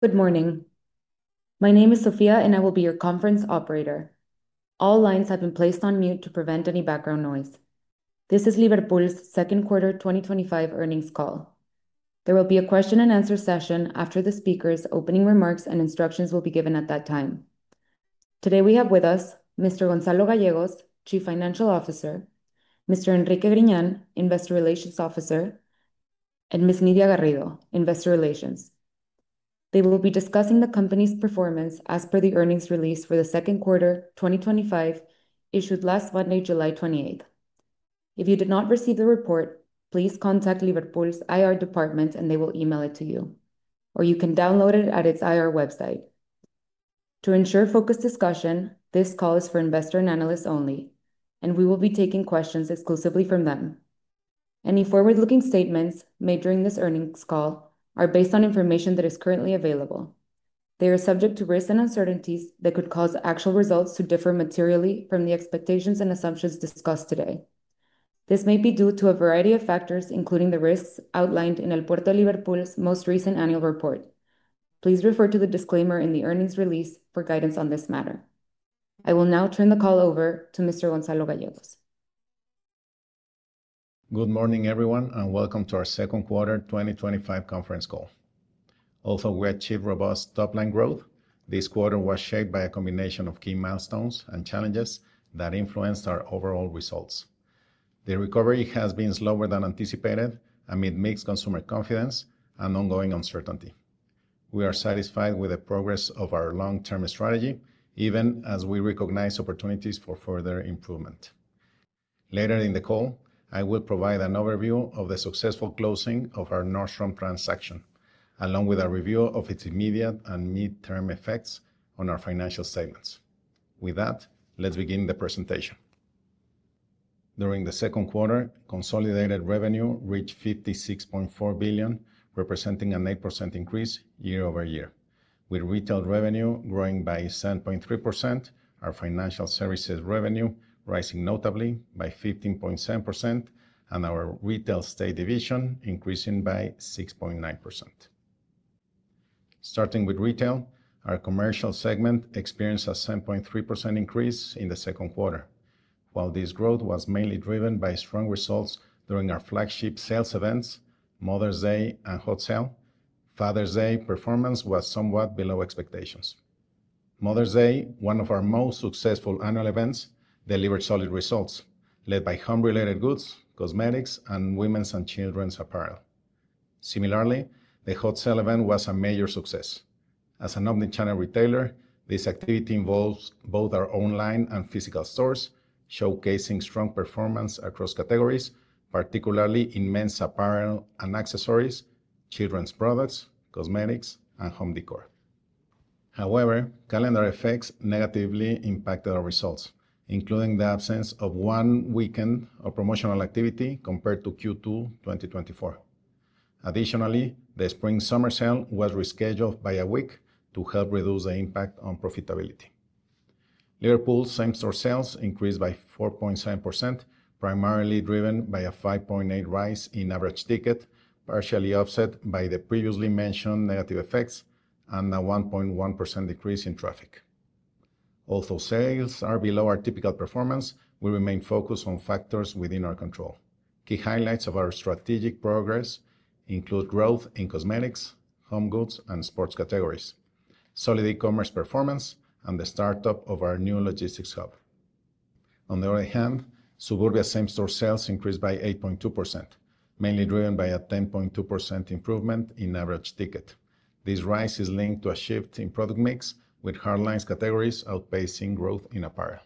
Good morning. My name is Sofia, and I will be your conference operator. All lines have been placed on mute to prevent any background noise. This is Liverpool's second quarter 2025 earnings call. There will be a question and answer session after the speakers. Opening remarks and instructions will be given at that time. Today we have with us Mr. Gonzalo Gallegos, Chief Financial Officer, Mr. Enrique Griñan, Investor Relations Officer, and Ms. Nidia Garrido, Investor Relations. They will be discussing the company's performance as per the earnings release for the second quarter 2025 issued last Monday, July 28. If you did not receive the report, please contact Liverpool's IR department, and they will email it to you, or you can download it at its IR website. To ensure focused discussion, this call is for investors and analysts only, and we will be taking questions exclusively from them. Any forward-looking statements made during this earnings call are based on information that is currently available. They are subject to risks and uncertainties that could cause actual results to differ materially from the expectations and assumptions discussed today. This may be due to a variety of factors, including the risks outlined in El Puerto de Liverpool's most recent annual report. Please refer to the disclaimer in the earnings release for guidance on this matter. I will now turn the call over to Mr. Gonzalo Gallegos. Good morning, everyone, and welcome to our second quarter 2025 conference call. Although we achieved robust top-line growth, this quarter was shaped by a combination of key milestones and challenges that influenced our overall results. The recovery has been slower than anticipated amid mixed consumer confidence and ongoing uncertainty. We are satisfied with the progress of our long-term strategy, even as we recognize opportunities for further improvement. Later in the call, I will provide an overview of the successful closing of our Nordstrom transaction, along with a review of its immediate and mid-term effects on our financial statements. With that, let's begin the presentation. During the second quarter, consolidated revenue reached $56.4 billion, representing an 8% increase year-over-year, with retail revenue growing by 7.3%, our financial services revenue rising notably by 15.7%, and our real estate division increasing by 6.9%. Starting with retail, our commercial segment experienced a 7.3% increase in the second quarter, while this growth was mainly driven by strong results during our flagship sales events, Mother’s Day and Hot Sale. Father’s Day performance was somewhat below expectations. Mother’s Day, one of our most successful annual events, delivered solid results, led by home-related goods, cosmetics, and women’s and children’s apparel. Similarly, the Hot Sale event was a major success. As an omnichannel retailer, this activity involves both our online and physical stores, showcasing strong performance across categories, particularly in men’s apparel and accessories, children’s products, cosmetics, and home decor. However, calendar effects negatively impacted our results, including the absence of one weekend of promotional activity compared to Q2 2024. Additionally, the spring/summer sale was rescheduled by a week to help reduce the impact on profitability. Liverpool’s same-store sales increased by 4.7%, primarily driven by a 5.8% rise in average ticket, partially offset by the previously mentioned negative effects and a 1.1% decrease in traffic. Although sales are below our typical performance, we remain focused on factors within our control. Key highlights of our strategic progress include growth in cosmetics, home goods, and sports categories, solid e-commerce performance, and the startup of our new logistics hub. On the other hand, Suburbia same-store sales increased by 8.2%, mainly driven by a 10.2% improvement in average ticket. This rise is linked to a shift in product mix, with hardlines categories outpacing growth in apparel.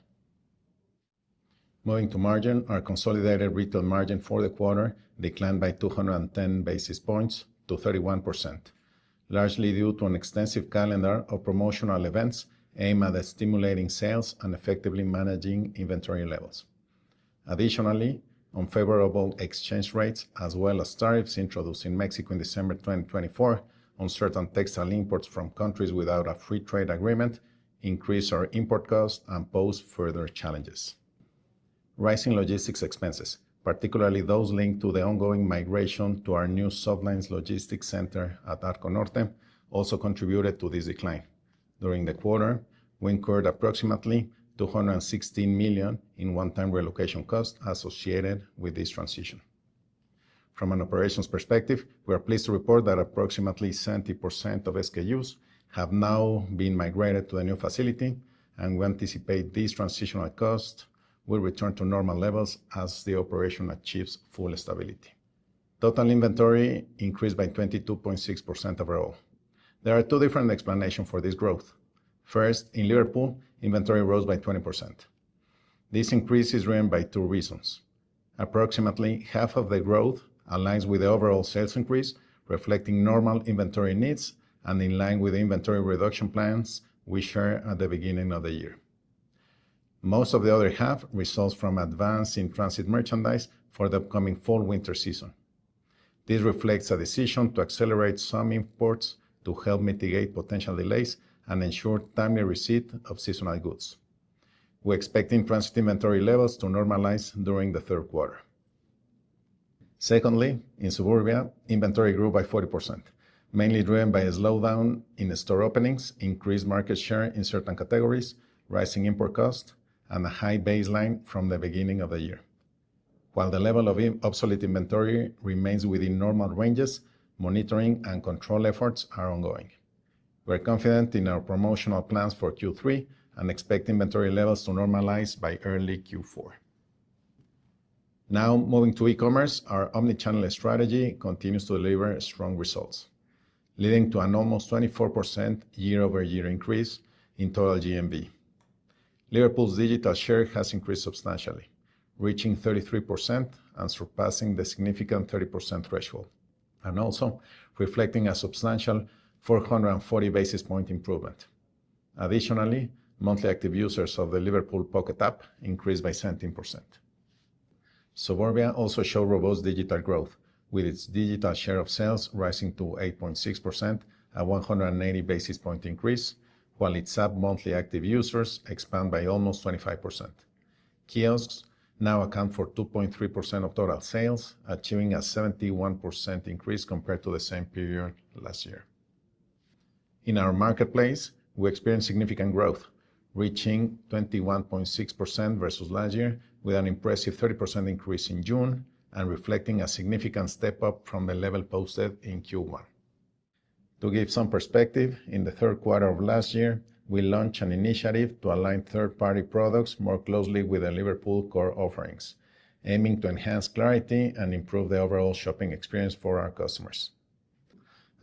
Moving to margin, our consolidated retail margin for the quarter declined by 210 basis points to 31%, largely due to an extensive calendar of promotional events aimed at stimulating sales and effectively managing inventory levels. Additionally, unfavorable exchange rates, as well as tariffs introduced in Mexico in December 2024 on certain textile imports from countries without a free trade agreement, increased our import costs and posed further challenges. Rising logistics expenses, particularly those linked to the ongoing migration to our new soft lines logistics center at Arco Norte, also contributed to this decline. During the quarter, we incurred approximately $216 million in one-time relocation costs associated with this transition. From an operations perspective, we are pleased to report that approximately 70% of SKUs have now been migrated to the new facility, and we anticipate these transitional costs will return to normal levels as the operation achieves full stability. Total inventory increased by 22.6% overall. There are two different explanations for this growth. First, in Liverpool, inventory rose by 20%. This increase is driven by two reasons. Approximately half of the growth aligns with the overall sales increase, reflecting normal inventory needs and in line with the inventory reduction plans we shared at the beginning of the year. Most of the other half results from advance in transit merchandise for the upcoming fall-winter season. This reflects a decision to accelerate some imports to help mitigate potential delays and ensure timely receipt of seasonal goods. We're expecting transit inventory levels to normalize during the third quarter. Secondly, in Suburbia, inventory grew by 40%, mainly driven by a slowdown in store openings, increased market share in certain categories, rising import costs, and a high baseline from the beginning of the year. While the level of obsolete inventory remains within normal ranges, monitoring and control efforts are ongoing. We're confident in our promotional plans for Q3 and expect inventory levels to normalize by early Q4. Now, moving to e-commerce, our omnichannel strategy continues to deliver strong results, leading to an almost 24% year-over-year increase in total GMV. Liverpool's digital share has increased substantially, reaching 33% and surpassing the significant 30% threshold, and also reflecting a substantial 440 basis point improvement. Additionally, monthly active users of the Liverpool Pocket app increased by 17%. Suburbia also showed robust digital growth, with its digital share of sales rising to 8.6%, a 180 basis point increase, while its app monthly active users expanded by almost 25%. Kiosks now account for 2.3% of total sales, achieving a 71% increase compared to the same period last year. In our marketplace, we experienced significant growth, reaching 21.6% versus last year, with an impressive 30% increase in June and reflecting a significant step up from the level posted in Q1. To give some perspective, in the third quarter of last year, we launched an initiative to align third-party products more closely with the Liverpool core offerings, aiming to enhance clarity and improve the overall shopping experience for our customers.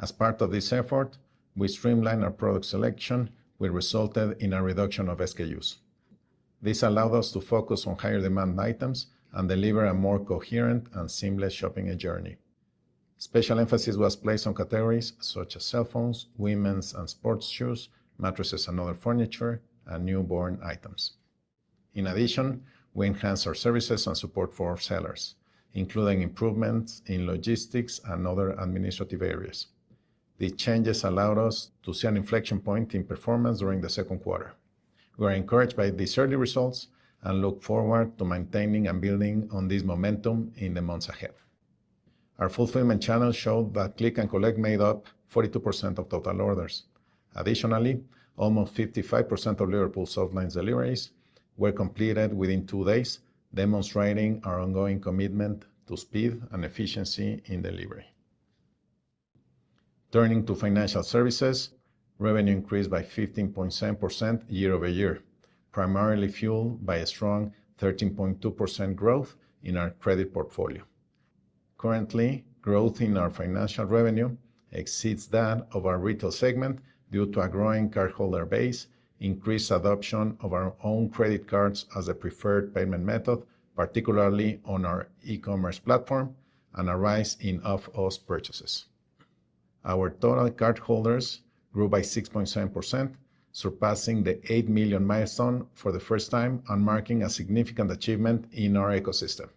As part of this effort, we streamlined our product selection, which resulted in a reduction of SKUs. This allowed us to focus on higher demand items and deliver a more coherent and seamless shopping journey. Special emphasis was placed on categories such as cell phones, women's and sports shoes, mattresses, and other furniture, and newborn items. In addition, we enhanced our services and support for our sellers, including improvements in logistics and other administrative areas. These changes allowed us to see an inflection point in performance during the second quarter. We are encouraged by these early results and look forward to maintaining and building on this momentum in the months ahead. Our fulfillment channel showed that click and collect made up 42% of total orders. Additionally, almost 55% of Liverpool soft lines deliveries were completed within two days, demonstrating our ongoing commitment to speed and efficiency in delivery. Turning to financial services, revenue increased by 15.7% year-over-year, primarily fueled by a strong 13.2% growth in our credit portfolio. Currently, growth in our financial revenue exceeds that of our retail segment due to a growing cardholder base, increased adoption of our own credit cards as the preferred payment method, particularly on our e-commerce platform, and a rise in off-house purchases. Our total cardholders grew by 6.7%, surpassing the 8 million milestone for the first time and marking a significant achievement in our ecosystem.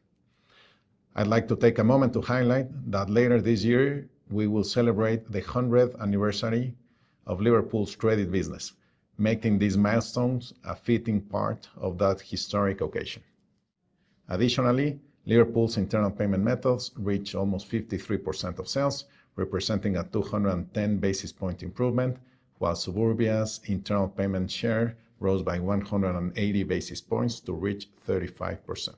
I'd like to take a moment to highlight that later this year, we will celebrate the 100th anniversary of Liverpool's credit business, making these milestones a fitting part of that historic occasion. Additionally, Liverpool's internal payment methods reached almost 53% of sales, representing a 210 basis point improvement, while Suburbia's internal payment share rose by 180 basis points to reach 35%.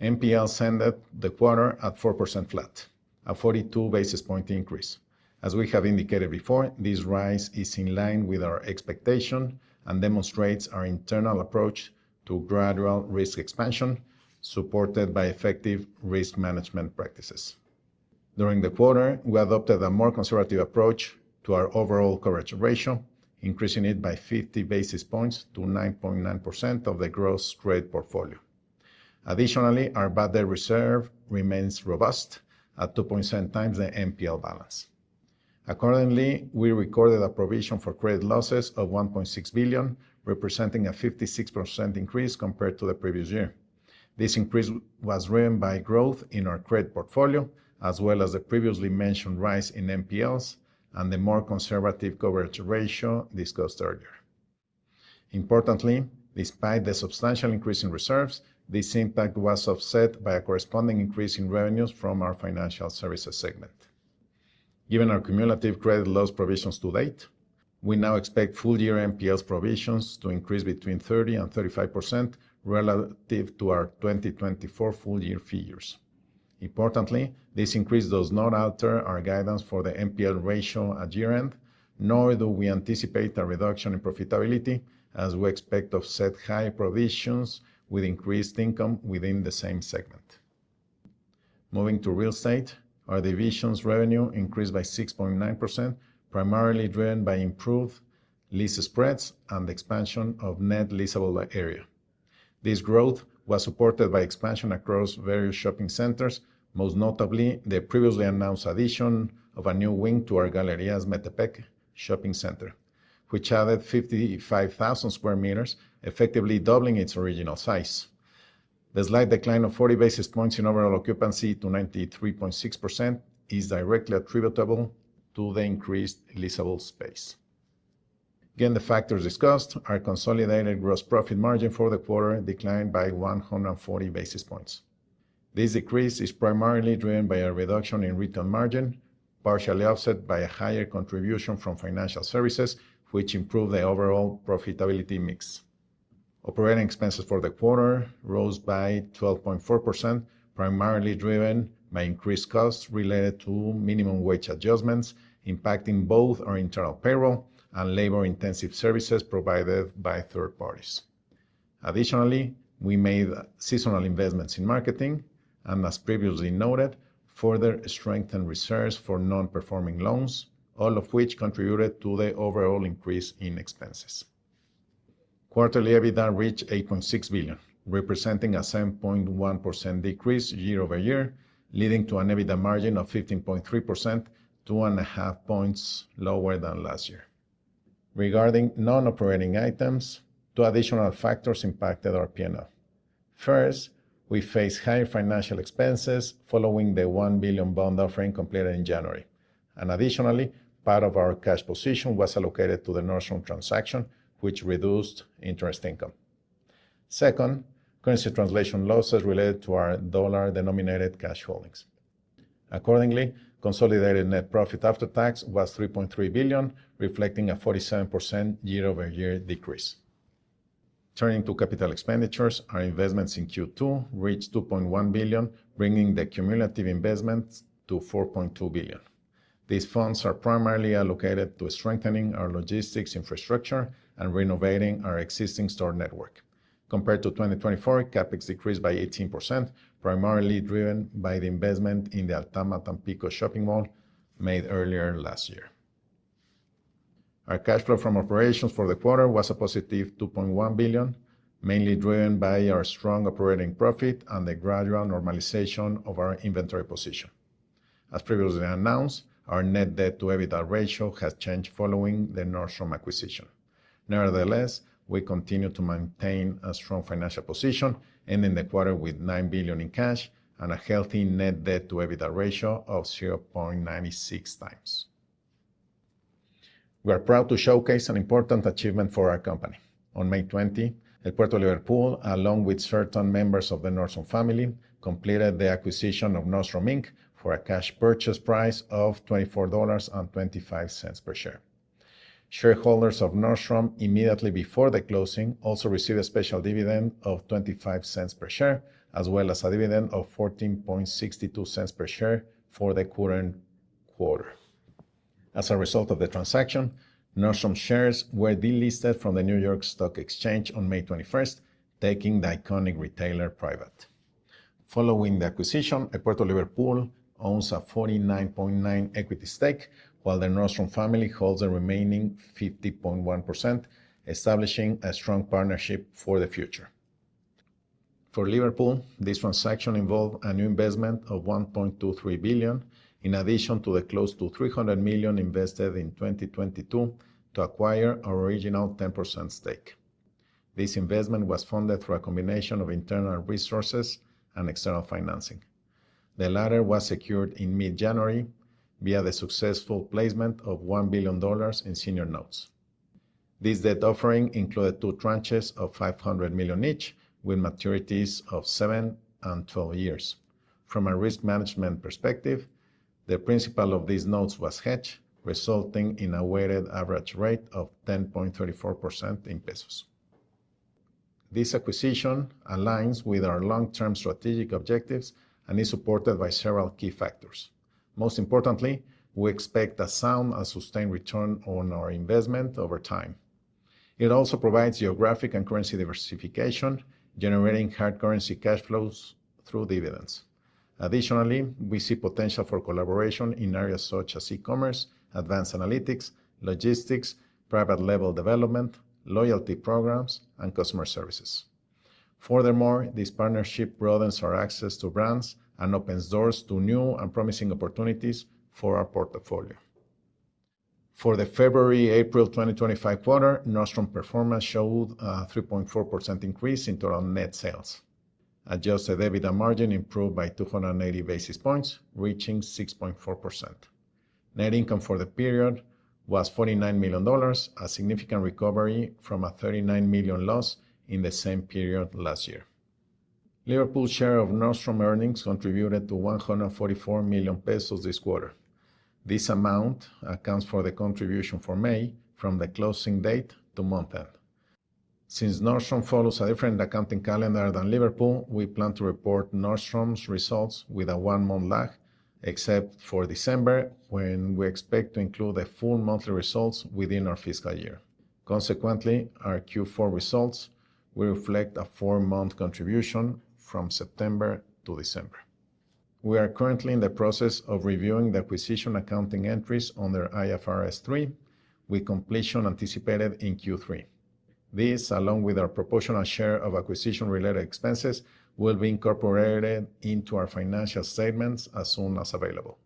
NPLs ended the quarter at 4% flat, a 42 basis point increase. As we have indicated before, this rise is in line with our expectation and demonstrates our internal approach to gradual risk expansion, supported by effective risk management practices. During the quarter, we adopted a more conservative approach to our overall coverage ratio, increasing it by 50 basis points to 9.9% of the gross trade portfolio. Additionally, our bad debt reserve remains robust at 2.7x the NPL balance. Accordingly, we recorded a provision for credit losses of $1.6 billion, representing a 56% increase compared to the previous year. This increase was driven by growth in our credit portfolio, as well as the previously mentioned rise in NPLs and the more conservative coverage ratio discussed earlier. Importantly, despite the substantial increase in reserves, this impact was offset by a corresponding increase in revenues from our financial services segment. Given our cumulative credit loss provisions to date, we now expect full-year NPL provisions to increase between 30% and 35% relative to our 2024 full-year figures. Importantly, this increase does not alter our guidance for the NPL ratio at year-end, nor do we anticipate a reduction in profitability, as we expect to set high provisions with increased income within the same segment. Moving to real estate, our division's revenue increased by 6.9%, primarily driven by improved lease spreads and the expansion of net leasable area. This growth was supported by expansion across various shopping centers, most notably the previously announced addition of a new wing to our Galerias Metepec shopping center, which added 55,000 square meters, effectively doubling its original size. The slight decline of 40 basis points in overall occupancy to 93.6% is directly attributable to the increased leasable space. Given the factors discussed, our consolidated gross profit margin for the quarter declined by 140 basis points. This decrease is primarily driven by a reduction in retail margin, partially offset by a higher contribution from financial services, which improved the overall profitability mix. Operating expenses for the quarter rose by 12.4%, primarily driven by increased costs related to minimum wage adjustments, impacting both our internal payroll and labor-intensive services provided by third parties. Additionally, we made seasonal investments in marketing and, as previously noted, further strengthened reserves for non-performing loans, all of which contributed to the overall increase in expenses. Quarterly EBITDA reached $8.6 billion, representing a 7.1% decrease year-over-year, leading to an EBITDA margin of 15.3%, 2.5 points lower than last year. Regarding non-operating items, two additional factors impacted our P&L. First, we faced higher financial expenses following the $1 billion bond offering completed in January, and additionally, part of our cash position was allocated to the Nordstrom transaction, which reduced interest income. Second, currency translation losses related to our dollar-denominated cash holdings. Accordingly, consolidated net profit after tax was $3.3 billion, reflecting a 47% year-over-year decrease. Turning to capital expenditures, our investments in Q2 reached $2.1 billion, bringing the cumulative investment to $4.2 billion. These funds are primarily allocated to strengthening our logistics infrastructure and renovating our existing store network. Compared to 2024, CapEx decreased by 18%, primarily driven by the investment in the Altama Tampico shopping mall made earlier last year. Our cash flow from operations for the quarter was a positive $2.1 billion, mainly driven by our strong operating profit and the gradual normalization of our inventory position. As previously announced, our net debt to EBITDA ratio has changed following the Nordstrom acquisition. Nevertheless, we continue to maintain a strong financial position, ending the quarter with $9 billion in cash and a healthy net debt to EBITDA ratio of 0.96x. We are proud to showcase an important achievement for our company. On May 20, El Puerto de Liverpool, along with certain members of the Nordstrom family, completed the acquisition of Nordstrom Inc. for a cash purchase price of $24.25 per share. Shareholders of Nordstrom immediately before the closing also received a special dividend of $0.25 per share, as well as a dividend of $14.62 per share for the current quarter. As a result of the transaction, Nordstrom shares were delisted from the New York Stock Exchange on May 21st, taking the iconic retailer private. Following the acquisition, El Puerto de Liverpool owns a 49.9% equity stake, while the Nordstrom family holds the remaining 50.1%, establishing a strong partnership for the future. For Liverpool, this transaction involved a new investment of $1.23 billion, in addition to the close to $300 million invested in 2022 to acquire our original 10% stake. This investment was funded through a combination of internal resources and external financing. The latter was secured in mid-January via the successful placement of $1 billion in senior notes. This debt offering included two tranches of $500 million each, with maturities of 7 and 12 years. From a risk management perspective, the principal of these notes was hedged, resulting in a weighted average rate of 10.34% in pesos. This acquisition aligns with our long-term strategic objectives and is supported by several key factors. Most importantly, we expect a sound and sustained return on our investment over time. It also provides geographic and currency diversification, generating hard currency cash flows through dividends. Additionally, we see potential for collaboration in areas such as e-commerce, advanced analytics, logistics, private label development, loyalty programs, and customer services. Furthermore, this partnership broadens our access to brands and opens doors to new and promising opportunities for our portfolio. For the February-April 2025 quarter, Nordstrom performance showed a 3.4% increase in total net sales. Adjusted EBITDA margin improved by 280 basis points, reaching 6.4%. Net income for the period was $49 million, a significant recovery from a $39 million loss in the same period last year. Liverpool's share of Nordstrom earnings contributed to $144 million this quarter. This amount accounts for the contribution for May from the closing date to month end. Since Nordstrom follows a different accounting calendar than Liverpool, we plan to report Nordstrom's results with a one-month lag, except for December, when we expect to include the full monthly results within our fiscal year. Consequently, our Q4 results will reflect a four-month contribution from September to December. We are currently in the process of reviewing the acquisition accounting entries under IFRS 3, with completion anticipated in Q3. This, along with our proportional share of acquisition-related expenses, will be incorporated into our financial statements as soon as available.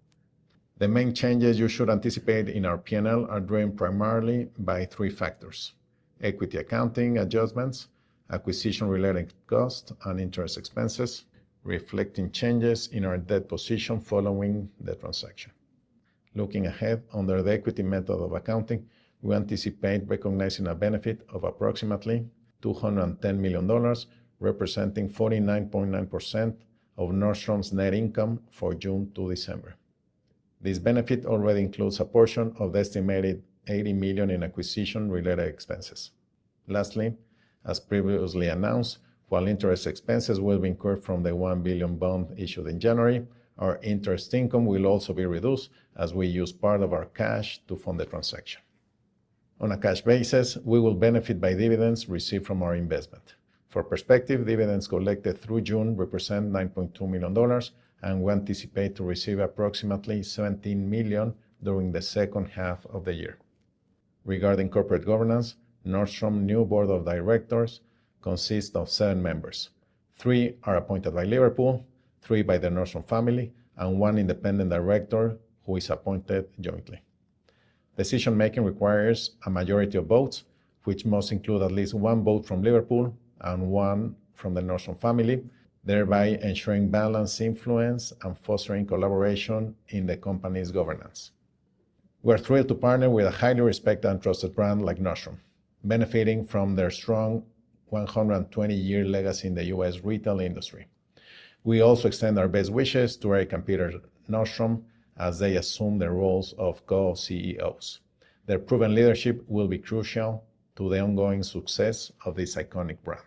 The main changes you should anticipate in our P&L are driven primarily by three factors: equity accounting adjustments, acquisition-related costs, and interest expenses, reflecting changes in our debt position following the transaction. Looking ahead under the equity method of accounting, we anticipate recognizing a benefit of approximately $210 million, representing 49.9% of Nordstrom's net income for June to December. This benefit already includes a portion of the estimated $80 million in acquisition-related expenses. Lastly, as previously announced, while interest expenses will be incurred from the $1 billion bond issued in January, our interest income will also be reduced as we use part of our cash to fund the transaction. On a cash basis, we will benefit by dividends received from our investment. For perspective, dividends collected through June represent $9.2 million, and we anticipate to receive approximately $17 million during the second half of the year. Regarding corporate governance, Nordstrom's new board of directors consists of seven members. Three are appointed by Liverpool, three by the Nordstrom family, and one independent director who is appointed jointly. Decision-making requires a majority of votes, which must include at least one vote from Liverpool and one from the Nordstrom family, thereby ensuring balanced influence and fostering collaboration in the company's governance. We are thrilled to partner with a highly respected and trusted brand like Nordstrom, benefiting from their strong 120-year legacy in the US retail industry. We also extend our best wishes to our partner, Nordstrom, as they assume the roles of co-CEOs. Their proven leadership will be crucial to the ongoing success of this iconic brand.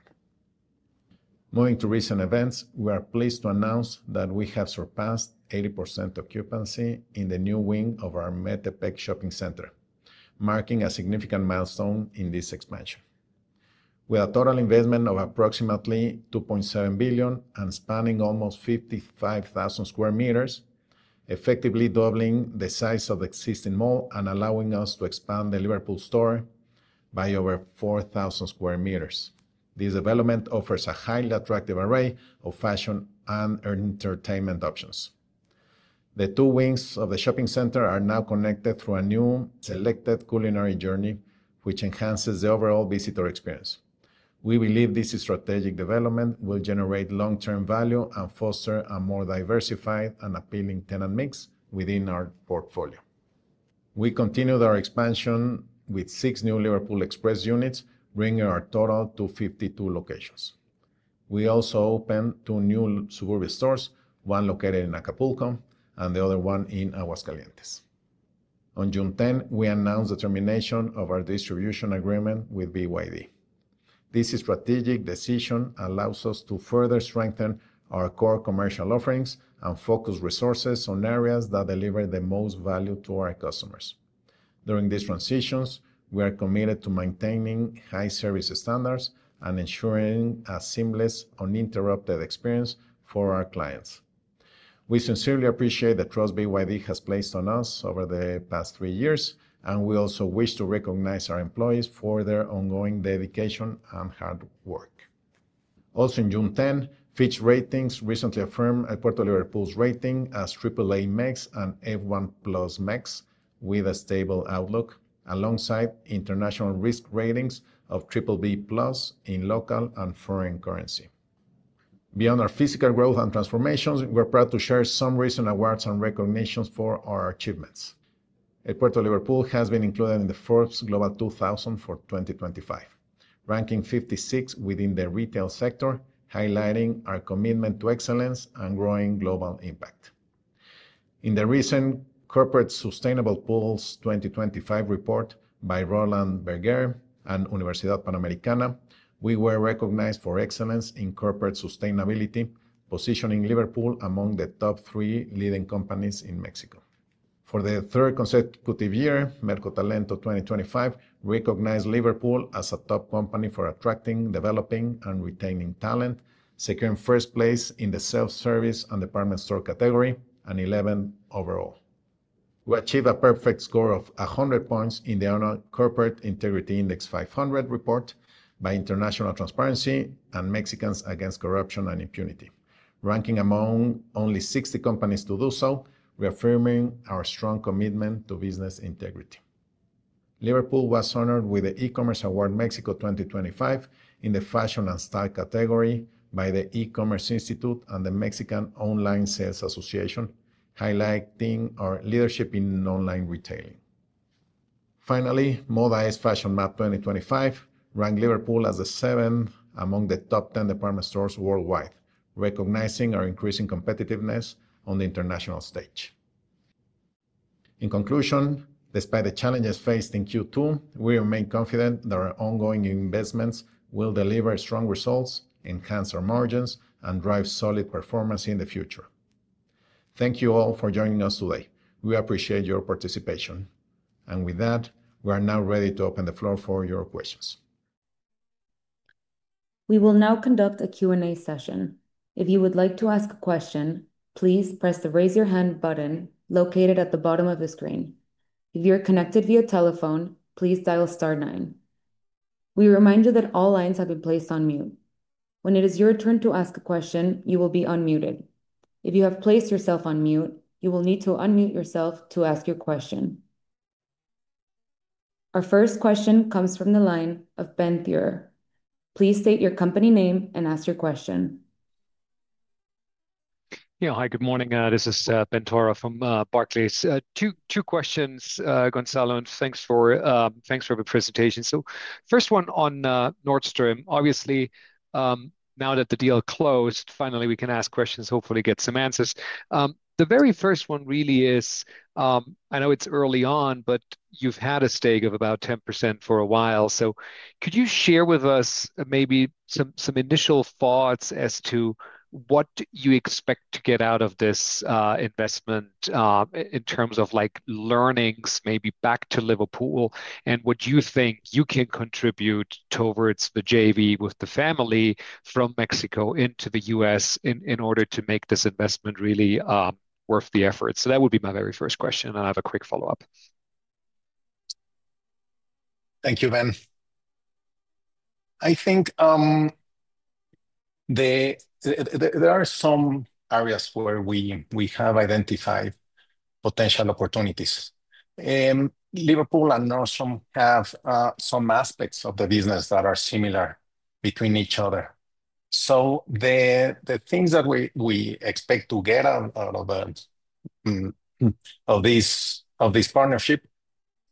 Moving to recent events, we are pleased to announce that we have surpassed 80% occupancy in the new wing of our Galerias Metepec shopping center, marking a significant milestone in this expansion. With a total investment of approximately $2.7 billion and spanning almost 55,000 square meters, effectively doubling the size of the existing mall and allowing us to expand the Liverpool store by over 4,000 square meters, this development offers a highly attractive array of fashion and entertainment options. The two wings of the shopping center are now connected through a new selected culinary journey, which enhances the overall visitor experience. We believe this strategic development will generate long-term value and foster a more diversified and appealing tenant mix within our portfolio. We continued our expansion with six new Liverpool Express units, bringing our total to 52 locations. We also opened two new Suburbia stores, one located in Acapulco and the other one in Aguascalientes. On June 10, we announced the termination of our distribution agreement with BYD. This strategic decision allows us to further strengthen our core commercial offerings and focus resources on areas that deliver the most value to our customers. During these transitions, we are committed to maintaining high service standards and ensuring a seamless, uninterrupted experience for our clients. We sincerely appreciate the trust BYD has placed in us over the past three years, and we also wish to recognize our employees for their ongoing dedication and hard work. Also, on June 10, Fitch Ratings recently affirmed Liverpool's rating as AAA MEX and A1+ MEX, with a stable outlook alongside international risk ratings of BBB+ in local and foreign currency. Beyond our physical growth and transformations, we're proud to share some recent awards and recognitions for our achievements. El Puerto de Liverpool has been included in the Forbes Global 2000 for 2025, ranking 56th within the retail sector, highlighting our commitment to excellence and growing global impact. In the recent Corporate Sustainable Pools 2025 report by Roland Berger and Universidad Panamericana, we were recognized for excellence in corporate sustainability, positioning Liverpool among the top three leading companies in Mexico. For the third consecutive year, Mercotalento 2025 recognized Liverpool as a top company for attracting, developing, and retaining talent, securing first place in the self-service and department store category and 11th overall. We achieved a perfect score of 100 points in the Honor Corporate Integrity Index 500 report by International Transparency and Mexicans Against Corruption and Impunity, ranking among only 60 companies to do so, reaffirming our strong commitment to business integrity. Liverpool was honored with the E-commerce Award Mexico 2025 in the Fashion and Style category by the E-commerce Institute and the Mexican Online Sales Association, highlighting our leadership in online retailing. Finally, Moda's Fashion Map 2025 ranked Liverpool as the seventh among the top 10 department stores worldwide, recognizing our increasing competitiveness on the international stage. In conclusion, despite the challenges faced in Q2, we remain confident that our ongoing investments will deliver strong results, enhance our margins, and drive solid performance in the future. Thank you all for joining us today. We appreciate your participation. We are now ready to open the floor for your questions. We will now conduct a Q&A session. If you would like to ask a question, please press the Raise Your Hand button located at the bottom of the screen. If you are connected via telephone, please dial star nine. We remind you that all lines have been placed on mute. When it is your turn to ask a question, you will be unmuted. If you have placed yourself on mute, you will need to unmute yourself to ask your question. Our first question comes from the line of Ben Theurer. Please state your company name and ask your question. Yeah, hi, good morning. This is Ben Theurer from Barclays. Two questions, Gonzalo, and thanks for the presentation. First one on Nordstrom. Obviously, now that the deal closed, finally we can ask questions, hopefully get some answers. The very first one really is, I know it's early on, but you've had a stake of about 10% for a while. Could you share with us maybe some initial thoughts as to what you expect to get out of this investment in terms of like learnings, maybe back to Liverpool, and what you think you can contribute towards the JV with the family from Mexico into the U.S. in order to make this investment really worth the effort? That would be my very first question, and I'll have a quick follow-up. Thank you, Ben. I think there are some areas where we have identified potential opportunities. Liverpool and Nordstrom have some aspects of the business that are similar between each other. The things that we expect to get out of this partnership,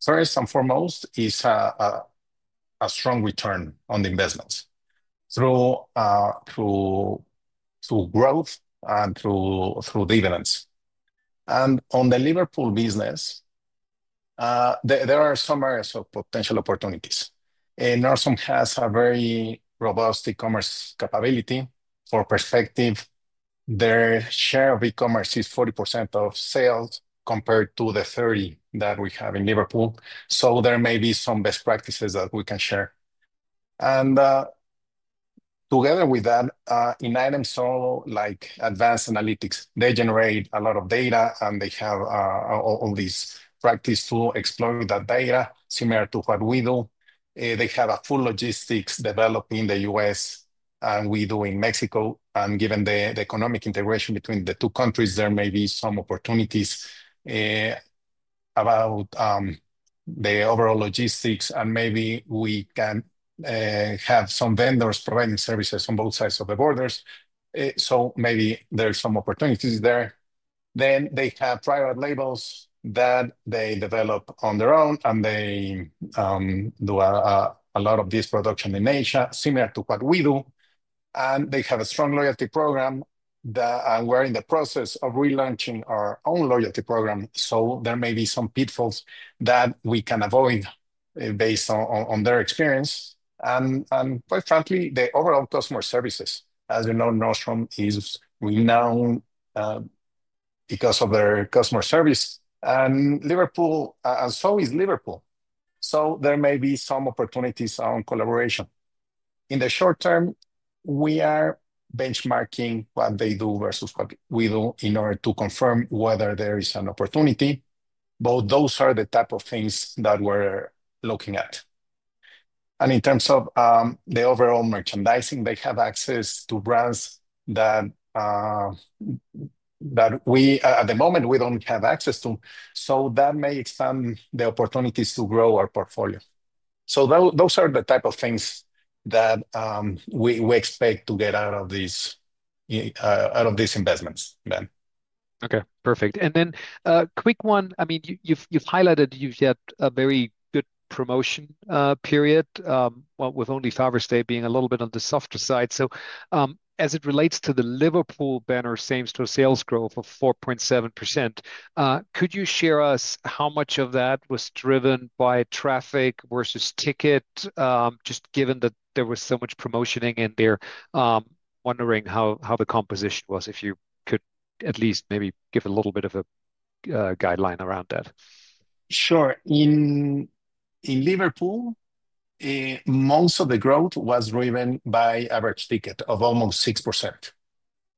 first and foremost, is a strong return on the investments through growth and through dividends. On the Liverpool business, there are some areas of potential opportunities. Nordstrom has a very robust e-commerce capability. For perspective, their share of e-commerce is 40% of sales compared to the 30% that we have in Liverpool. There may be some best practices that we can share. Together with that, in items like advanced analytics, they generate a lot of data, and they have all these practices to exploit that data, similar to what we do. They have a full logistics development in the U.S., and we do in Mexico. Given the economic integration between the two countries, there may be some opportunities about the overall logistics, and maybe we can have some vendors providing services on both sides of the borders. There may be some opportunities there. They have private labels that they develop on their own, and they do a lot of this production in Asia, similar to what we do. They have a strong loyalty program, and we're in the process of relaunching our own loyalty program. There may be some pitfalls that we can avoid based on their experience. Quite frankly, the overall customer services, as you know, Nordstrom is renowned because of their customer service, and so is Liverpool. There may be some opportunities on collaboration. In the short term, we are benchmarking what they do versus what we do in order to confirm whether there is an opportunity. Those are the types of things that we're looking at. In terms of the overall merchandising, they have access to brands that we, at the moment, don't have access to. That may expand the opportunities to grow our portfolio. Those are the types of things that we expect to get out of these investments, Ben. Okay, perfect. A quick one. I mean, you've highlighted you've had a very good promotion period, with only Father's Day being a little bit on the softer side. As it relates to the Liverpool banner same-store sales growth of 4.7%, could you share with us how much of that was driven by traffic versus ticket, just given that there was so much promotioning in there? I'm wondering how the composition was, if you could at least maybe give a little bit of a guideline around that. Sure. In Liverpool, most of the growth was driven by average ticket of almost 6%.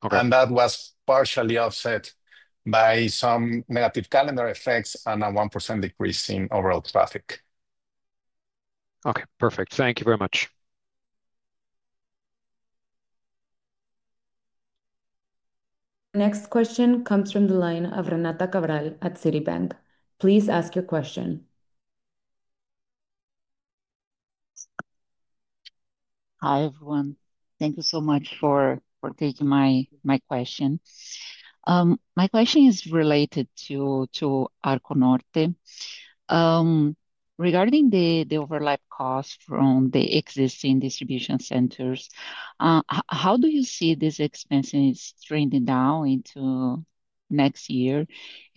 That was partially offset by some negative calendar effects and a 1% decrease in overall traffic. Okay, perfect. Thank you very much. Next question comes from the line of Renata Cabral at Citibank. Please ask your question. Hi, everyone. Thank you so much for taking my question. My question is related to Arco Norte. Regarding the overlap costs from the existing distribution centers, how do you see these expenses trending down into next year?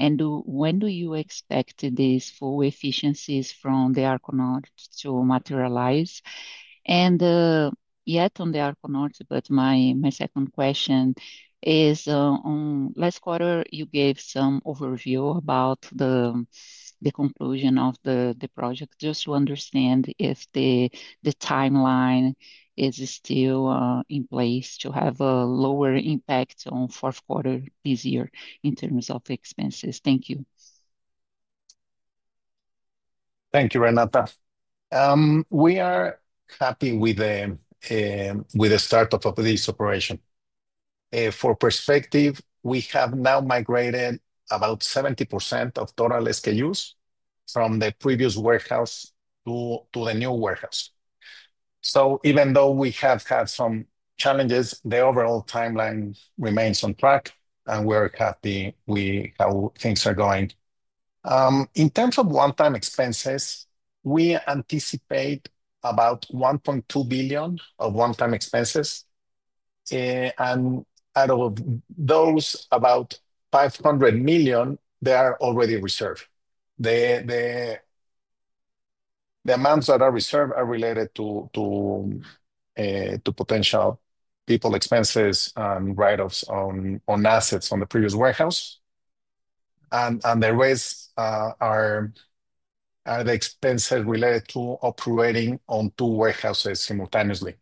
When do you expect these full efficiencies from the Arco Norte to materialize? My second question is, last quarter you gave some overview about the conclusion of the project, just to understand if the timeline is still in place to have a lower impact on the fourth quarter this year in terms of expenses. Thank you. Thank you, Renata. We are happy with the start of this operation. For perspective, we have now migrated about 70% of total SKUs from the previous warehouse to the new warehouse. Even though we have had some challenges, the overall timeline remains on track, and we are happy with how things are going. In terms of one-time expenses, we anticipate about $1.2 billion of one-time expenses, and out of those, about $500 million are already reserved. The amounts that are reserved are related to potential people expenses and write-offs on assets on the previous warehouse. The rest are the expenses related to operating on two warehouses simultaneously.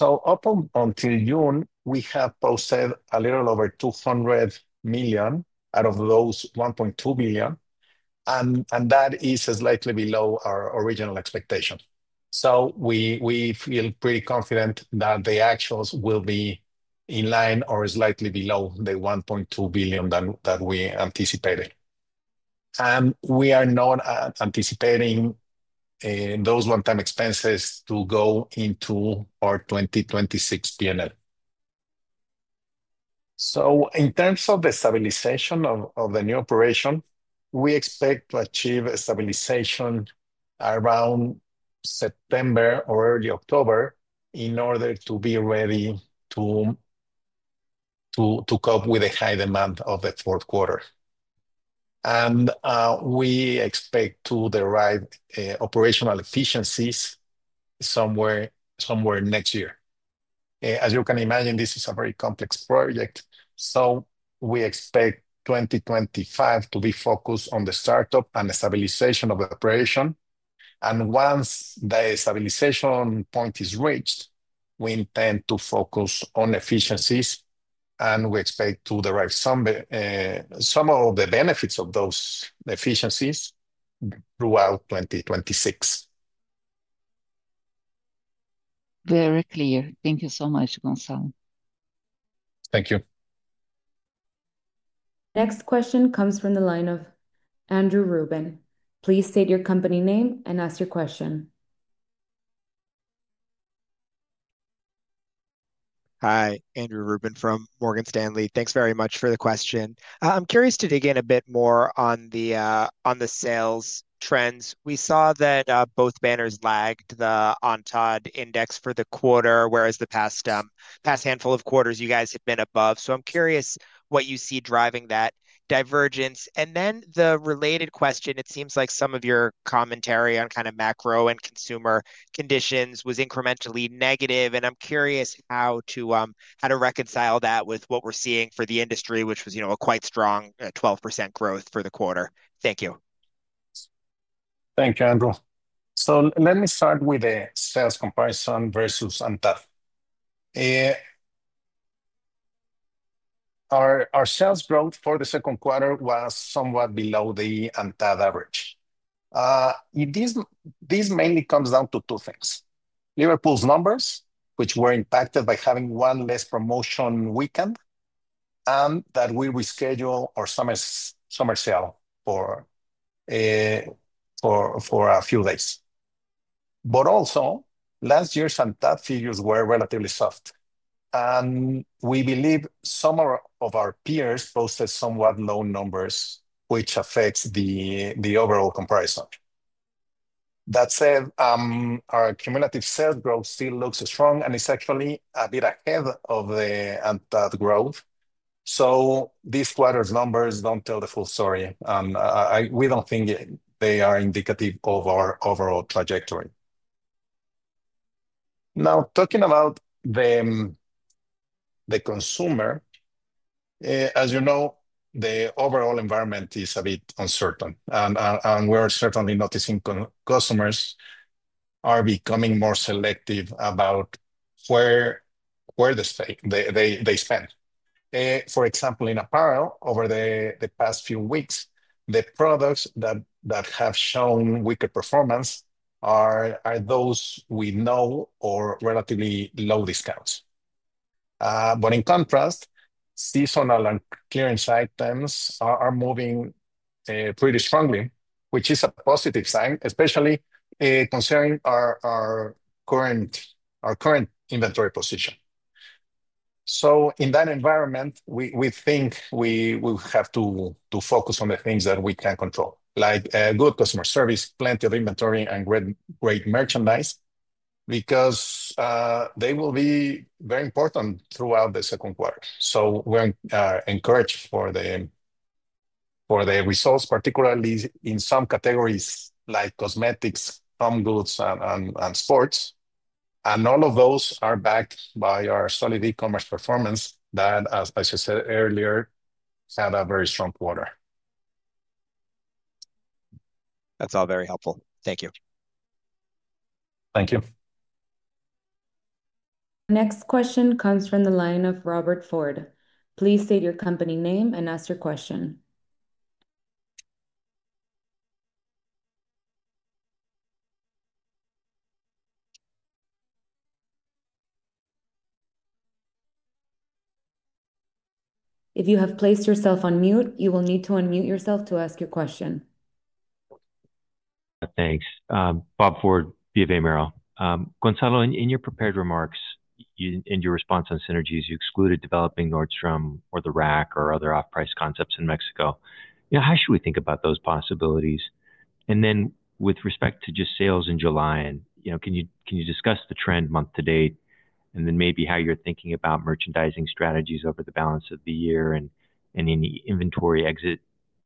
Up until June, we have posted a little over $200 million out of those $1.2 billion, and that is slightly below our original expectation. We feel pretty confident that the actuals will be in line or slightly below the $1.2 billion that we anticipated. We are not anticipating those one-time expenses to go into our 2026 P&L. In terms of the stabilization of the new operation, we expect to achieve a stabilization around September or early October in order to be ready to cope with the high demand of the fourth quarter. We expect to derive operational efficiencies somewhere next year. As you can imagine, this is a very complex project. We expect 2025 to be focused on the startup and the stabilization of the operation. Once the stabilization point is reached, we intend to focus on efficiencies, and we expect to derive some of the benefits of those efficiencies throughout 2026. Very clear. Thank you so much, Gonzalo. Thank you. Next question comes from the line of Andrew Ruben. Please state your company name and ask your question. Hi, Andrew Ruben from Morgan Stanley. Thanks very much for the question. I'm curious to dig in a bit more on the sales trends. We saw that both banners lagged the ANTAD index for the quarter, whereas the past handful of quarters you guys had been above. I'm curious what you see driving that divergence. The related question, it seems like some of your commentary on kind of macro and consumer conditions was incrementally negative, and I'm curious how to reconcile that with what we're seeing for the industry, which was a quite strong 12% growth for the quarter. Thank you. Thanks, Andrew. Let me start with a sales comparison versus OnTod. Our sales growth for the second quarter was somewhat below the OnTod average. This mainly comes down to two things. Liverpool's numbers, which were impacted by having one less promotion weekend, and that we rescheduled our summer sale for a few days. Last year's OnTod figures were relatively soft, and we believe some of our peers posted somewhat low numbers, which affects the overall comparison. That said, our cumulative sales growth still looks strong and is actually a bit ahead of the OnTod growth. This quarter's numbers don't tell the full story, and we don't think they are indicative of our overall trajectory. Now, talking about the consumer, as you know, the overall environment is a bit uncertain, and we're certainly noticing customers are becoming more selective about where they spend. For example, in apparel, over the past few weeks, the products that have shown weaker performance are those we know are relatively low discounts. In contrast, seasonal and clearance items are moving pretty strongly, which is a positive sign, especially considering our current inventory position. In that environment, we think we will have to focus on the things that we can control, like good customer service, plenty of inventory, and great merchandise, because they will be very important throughout the second quarter. We're encouraged for the results, particularly in some categories like cosmetics, home goods, and sports. All of those are backed by our solid e-commerce performance that, as I said earlier, had a very strong quarter. That's all very helpful. Thank you. Thank you. Next question comes from the line of Robert Ford. Please state your company name and ask your question. If you have placed yourself on mute, you will need to unmute yourself to ask your question. Thanks. Bob Ford, BofA Merrill. Gonzalo, in your prepared remarks and your response on synergies, you excluded developing Nordstrom or the Rack or other off-price concepts in Mexico. How should we think about those possibilities? With respect to just sales in July, can you discuss the trend month to date and maybe how you're thinking about merchandising strategies over the balance of the year and any inventory exit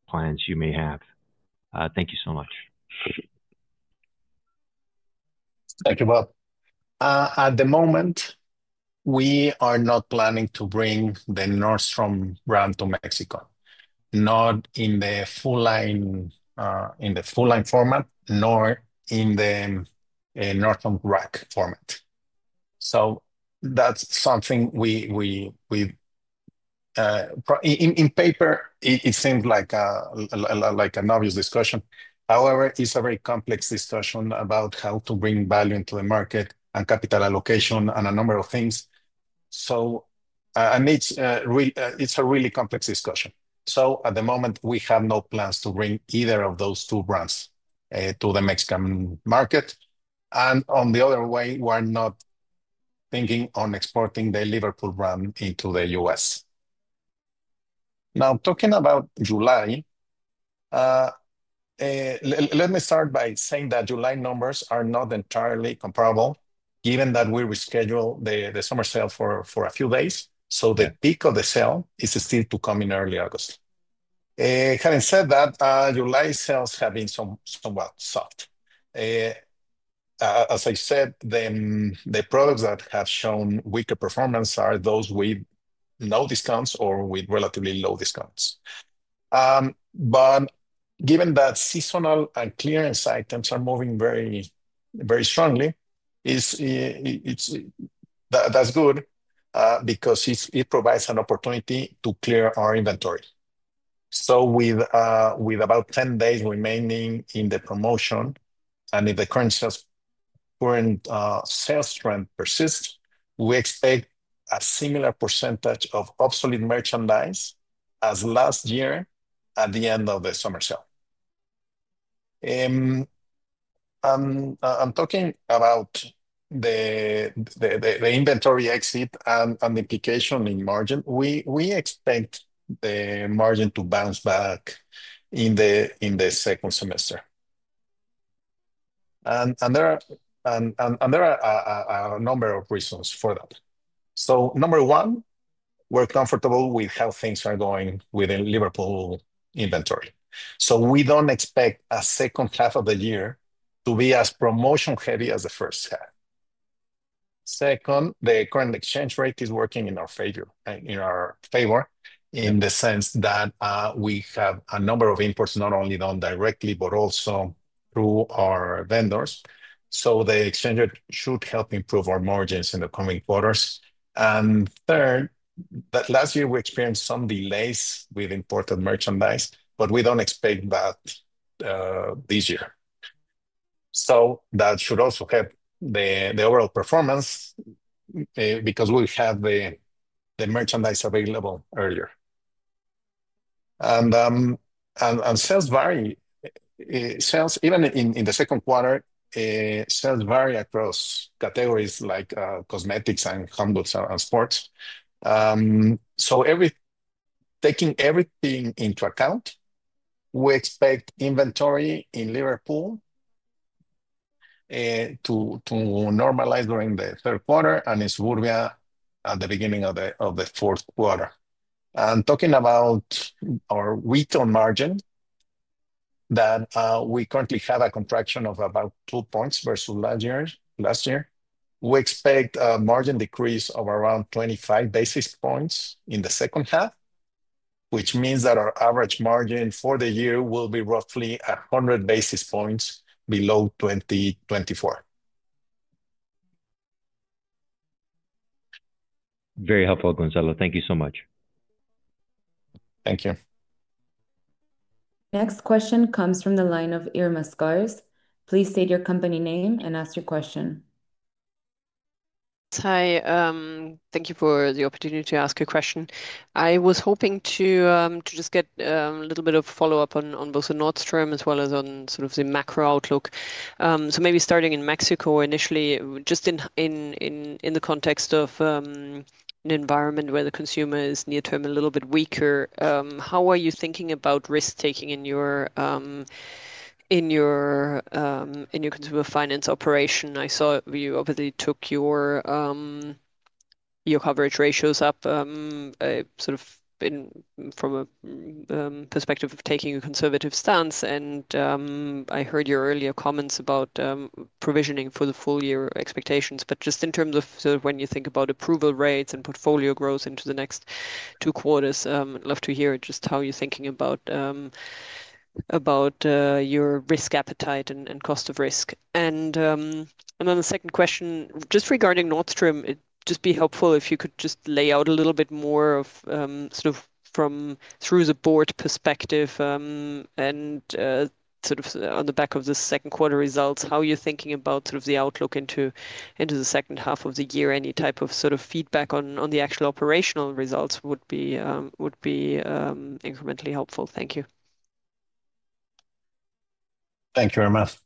plans you may have? Thank you so much. Thank you both. At the moment, we are not planning to bring the Nordstrom brand to Mexico, not in the full-line format, nor in the Nordstrom Rack format. That is something we, on paper, it seems like an obvious discussion. However, it's a very complex discussion about how to bring value into the market and capital allocation and a number of things. It is a really complex discussion. At the moment, we have no plans to bring either of those two brands to the Mexican market. On the other way, we're not thinking on exporting the Liverpool brand into the U.S. Now, talking about July, let me start by saying that July numbers are not entirely comparable, given that we rescheduled the summer sale for a few days. The peak of the sale is still to come in early August. Having said that, July sales have been somewhat soft. As I said, the products that have shown weaker performance are those with no discounts or with relatively low discounts. Given that seasonal and clearance items are moving very strongly, that's good because it provides an opportunity to clear our inventory. With about 10 days remaining in the promotion, and if the current sales trend persists, we expect a similar percentage of obsolete merchandise as last year at the end of the summer sale. Talking about the inventory exit and the implication in margin, we expect the margin to bounce back in the second semester. There are a number of reasons for that. Number one, we're comfortable with how things are going within Liverpool inventory. We don't expect the second half of the year to be as promotion-heavy as the first half. Second, the current exchange rate is working in our favor, in the sense that we have a number of imports not only done directly, but also through our vendors. The exchange rate should help improve our margins in the coming quarters. Third, last year we experienced some delays with imported merchandise, but we don't expect that this year. That should also help the overall performance because we have the merchandise available earlier. Sales vary. Sales even in the second quarter, sales vary across categories like cosmetics and home goods and sports. Taking everything into account, we expect inventory in Liverpool to normalize during the third quarter and in Suburbia at the beginning of the fourth quarter. Talking about our return margin, that we currently have a contraction of about two points versus last year. We expect a margin decrease of around 25 basis points in the second half, which means that our average margin for the year will be roughly 100 basis points below 2024. Very helpful, Gonzalo. Thank you so much. Thank you. Next question comes from the line of Irma Sgarz. Please state your company name and ask your question. Hi. Thank you for the opportunity to ask a question. I was hoping to just get a little bit of follow-up on both the Nordstrom as well as on sort of the macro outlook. Maybe starting in Mexico initially, just in the context of an environment where the consumer is near-term a little bit weaker, how are you thinking about risk-taking in your consumer finance operation? I saw you obviously took your coverage ratios up from a perspective of taking a conservative stance. I heard your earlier comments about provisioning for the full-year expectations, but just in terms of when you think about approval rates and portfolio growth into the next two quarters, I'd love to hear just how you're thinking about your risk appetite and cost of risk. The second question, just regarding Nordstrom, it'd just be helpful if you could lay out a little bit more of from through the board perspective. On the back of the second quarter results, how you're thinking about the outlook into the second half of the year. Any type of feedback on the actual operational results would be incrementally helpful. Thank you. Thank you very much.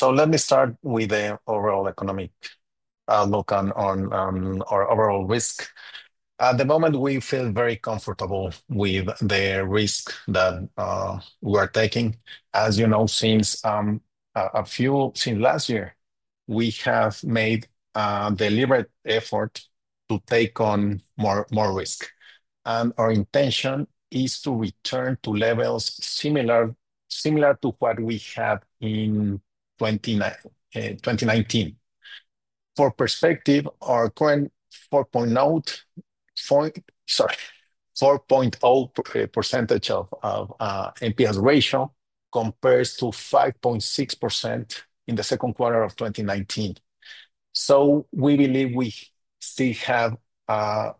Let me start with the overall economic outlook on our overall risk. At the moment, we feel very comfortable with the risk that we are taking. As you know, since last year, we have made a deliberate effort to take on more risk. Our intention is to return to levels similar to what we had in 2019. For perspective, our current 4.0% of NPLs ratio compares to 5.6% in the second quarter of 2019. We believe we still have a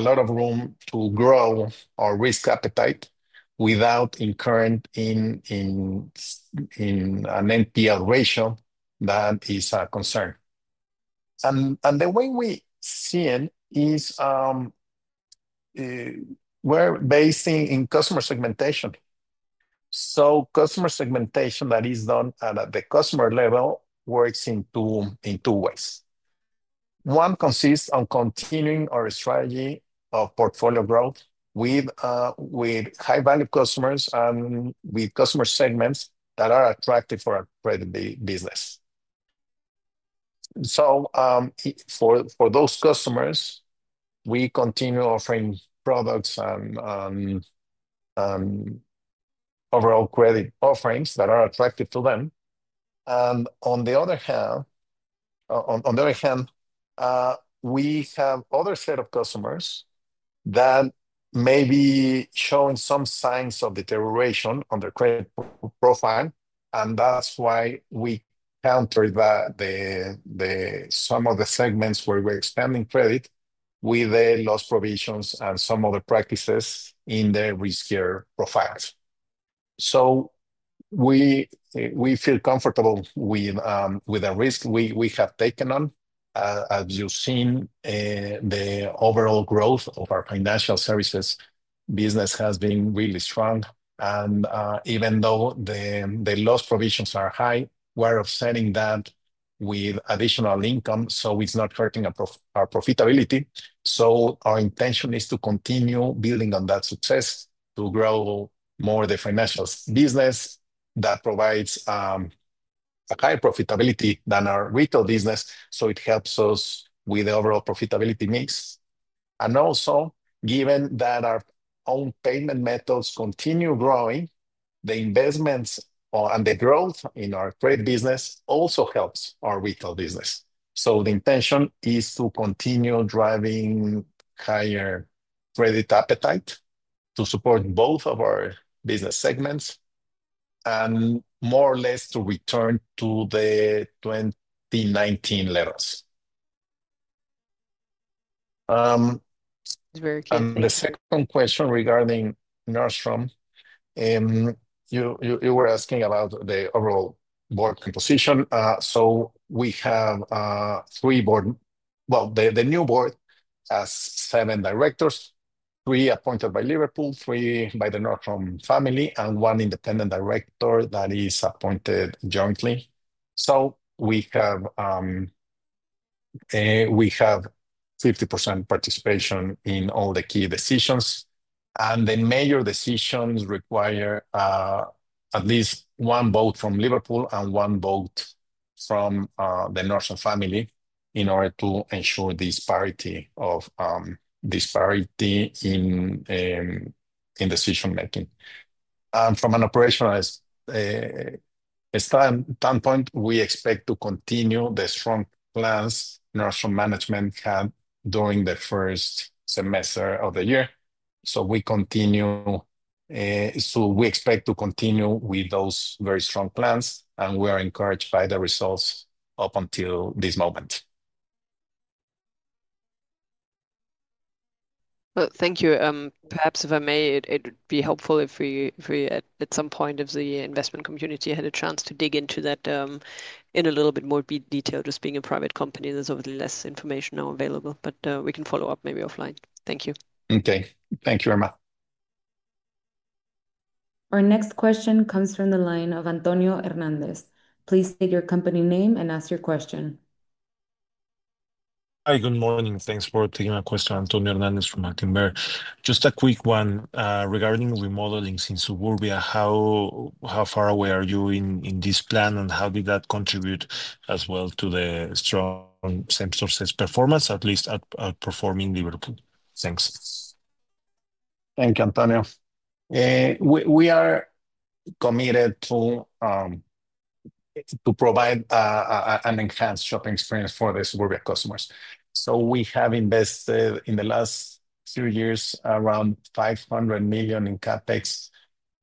lot of room to grow our risk appetite without incurring in an NPLs ratio that is a concern. The way we see it is we're based in customer segmentation. Customer segmentation that is done at the customer level works in two ways. One consists of continuing our strategy of portfolio growth with high-value customers and with customer segments that are attractive for our credit business. For those customers, we continue offering products and overall credit offerings that are attractive to them. On the other hand, we have another set of customers that may be showing some signs of deterioration on their credit profile. That's why we countered some of the segments where we're expanding credit with the loss provisions and some other practices in their riskier profiles. We feel comfortable with the risk we have taken on. As you've seen, the overall growth of our financial services business has been really strong. Even though the loss provisions are high, we're offsetting that with additional income, so it's not hurting our profitability. Our intention is to continue building on that success to grow more the financial business that provides a higher profitability than our retail business. It helps us with the overall profitability mix. Also, given that our own payment methods continue growing, the investments and the growth in our credit business also helps our retail business. The intention is to continue driving higher credit appetite to support both of our business segments and more or less to return to the 2019 levels. The second question regarding Nordstrom, you were asking about the overall board composition. We have three board... The new board has seven directors, three appointed by Liverpool, three by the Nordstrom family, and one independent director that is appointed jointly. We have 50% participation in all the key decisions. The major decisions require at least one vote from Liverpool and one vote from the Nordstrom family in order to ensure this parity in decision-making. From an operational standpoint, we expect to continue the strong plans Nordstrom management had during the first semester of the year. We expect to continue with those very strong plans, and we are encouraged by the results up until this moment. Thank you. Perhaps, if I may, it would be helpful if we at some point of the investment community had a chance to dig into that in a little bit more detail, just being a private company. There's less information now available, but we can follow up maybe offline. Thank you. Okay, thank you very much. Our next question comes from the line of Antonio Hernandez. Please state your company name and ask your question. Hi, good morning. Thanks for taking my question, Antonio Hernandez from Actinver. Just a quick one regarding remodeling in Suburbia. How far away are you in this plan, and how did that contribute as well to the strong same-store performance, at least outperforming Liverpool? Thanks. Thank you, Antonino. We are committed to provide an enhanced shopping experience for the Suburbia customers. We have invested in the last few years around $500 million in CapEx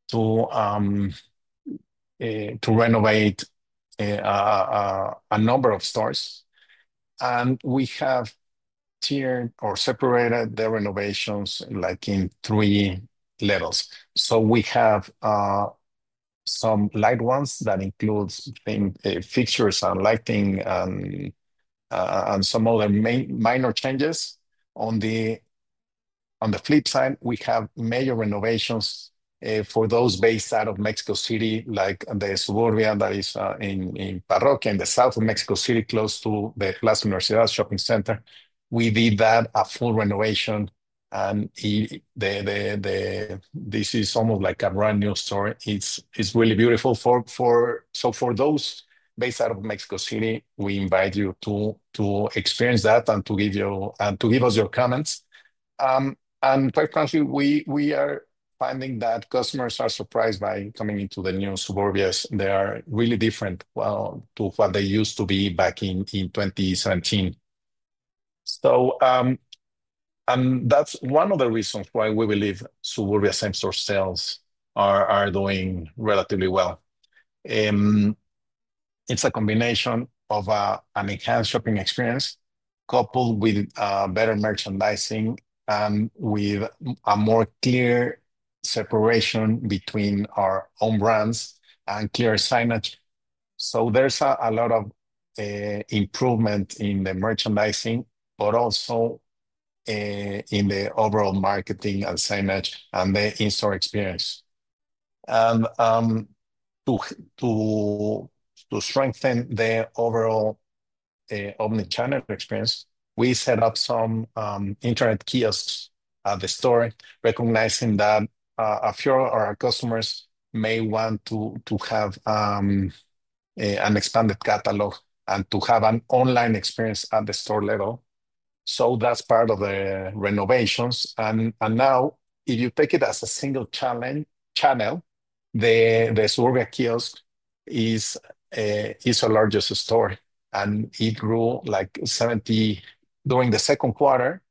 to renovate a number of stores. We have tiered or separated the renovations in three levels. We have some light ones that include fixtures and lighting and some other minor changes. On the flip side, we have major renovations for those based out of Mexico City, like the Suburbia that is in Parrock, in the south of Mexico City, close to the Plaza Universidad shopping center. We did that, a full renovation, and this is almost like a brand new store. It's really beautiful. For those based out of Mexico City, we invite you to experience that and to give us your comments. Quite frankly, we are finding that customers are surprised by coming into the new Suburbia. They are really different to what they used to be back in 2017. That's one of the reasons why we believe Suburbia same-store sales are doing relatively well. It's a combination of an enhanced shopping experience coupled with better merchandising and with a more clear separation between our own brands and clear signage. There's a lot of improvement in the merchandising, but also in the overall marketing and signage and the in-store experience. To strengthen the overall omnichannel experience, we set up some internet kiosks at the store, recognizing that a few of our customers may want to have an expanded catalog and to have an online experience at the store level. That's part of the renovations. If you take it as a single channel, the Suburbia kiosk is the largest store, and it grew like 70% during the second quarter.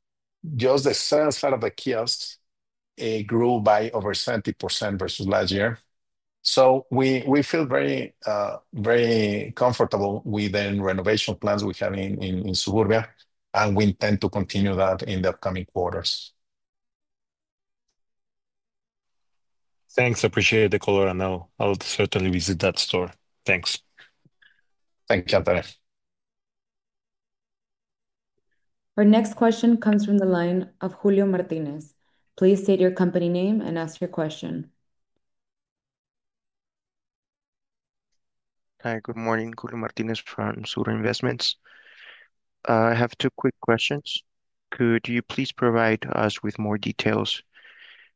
Just the sales out of the kiosks grew by over 70% versus last year. We feel very comfortable with the renovation plans we have in Suburbia, and we intend to continue that in the upcoming quarters. Thanks. I appreciate the call, and I'll certainly visit that store. Thanks. Thank you, Antonino. Our next question comes from the line of Julio Martinez. Please state your company name and ask your question. Hi, good morning. Julio Martinez from Zura Investments. I have two quick questions. Could you please provide us with more details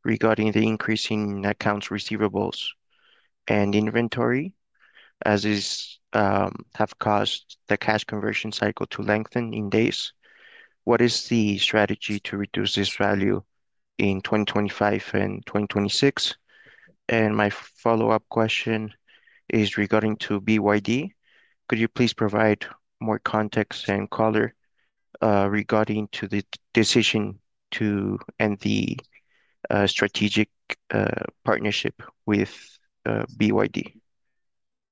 regarding the increase in accounts receivables and inventory, as these have caused the cash conversion cycle to lengthen in days? What is the strategy to reduce this value in 2025 and 2026? My follow-up question is regarding BYD. Could you please provide more context and color regarding the decision to end the strategic partnership with BYD?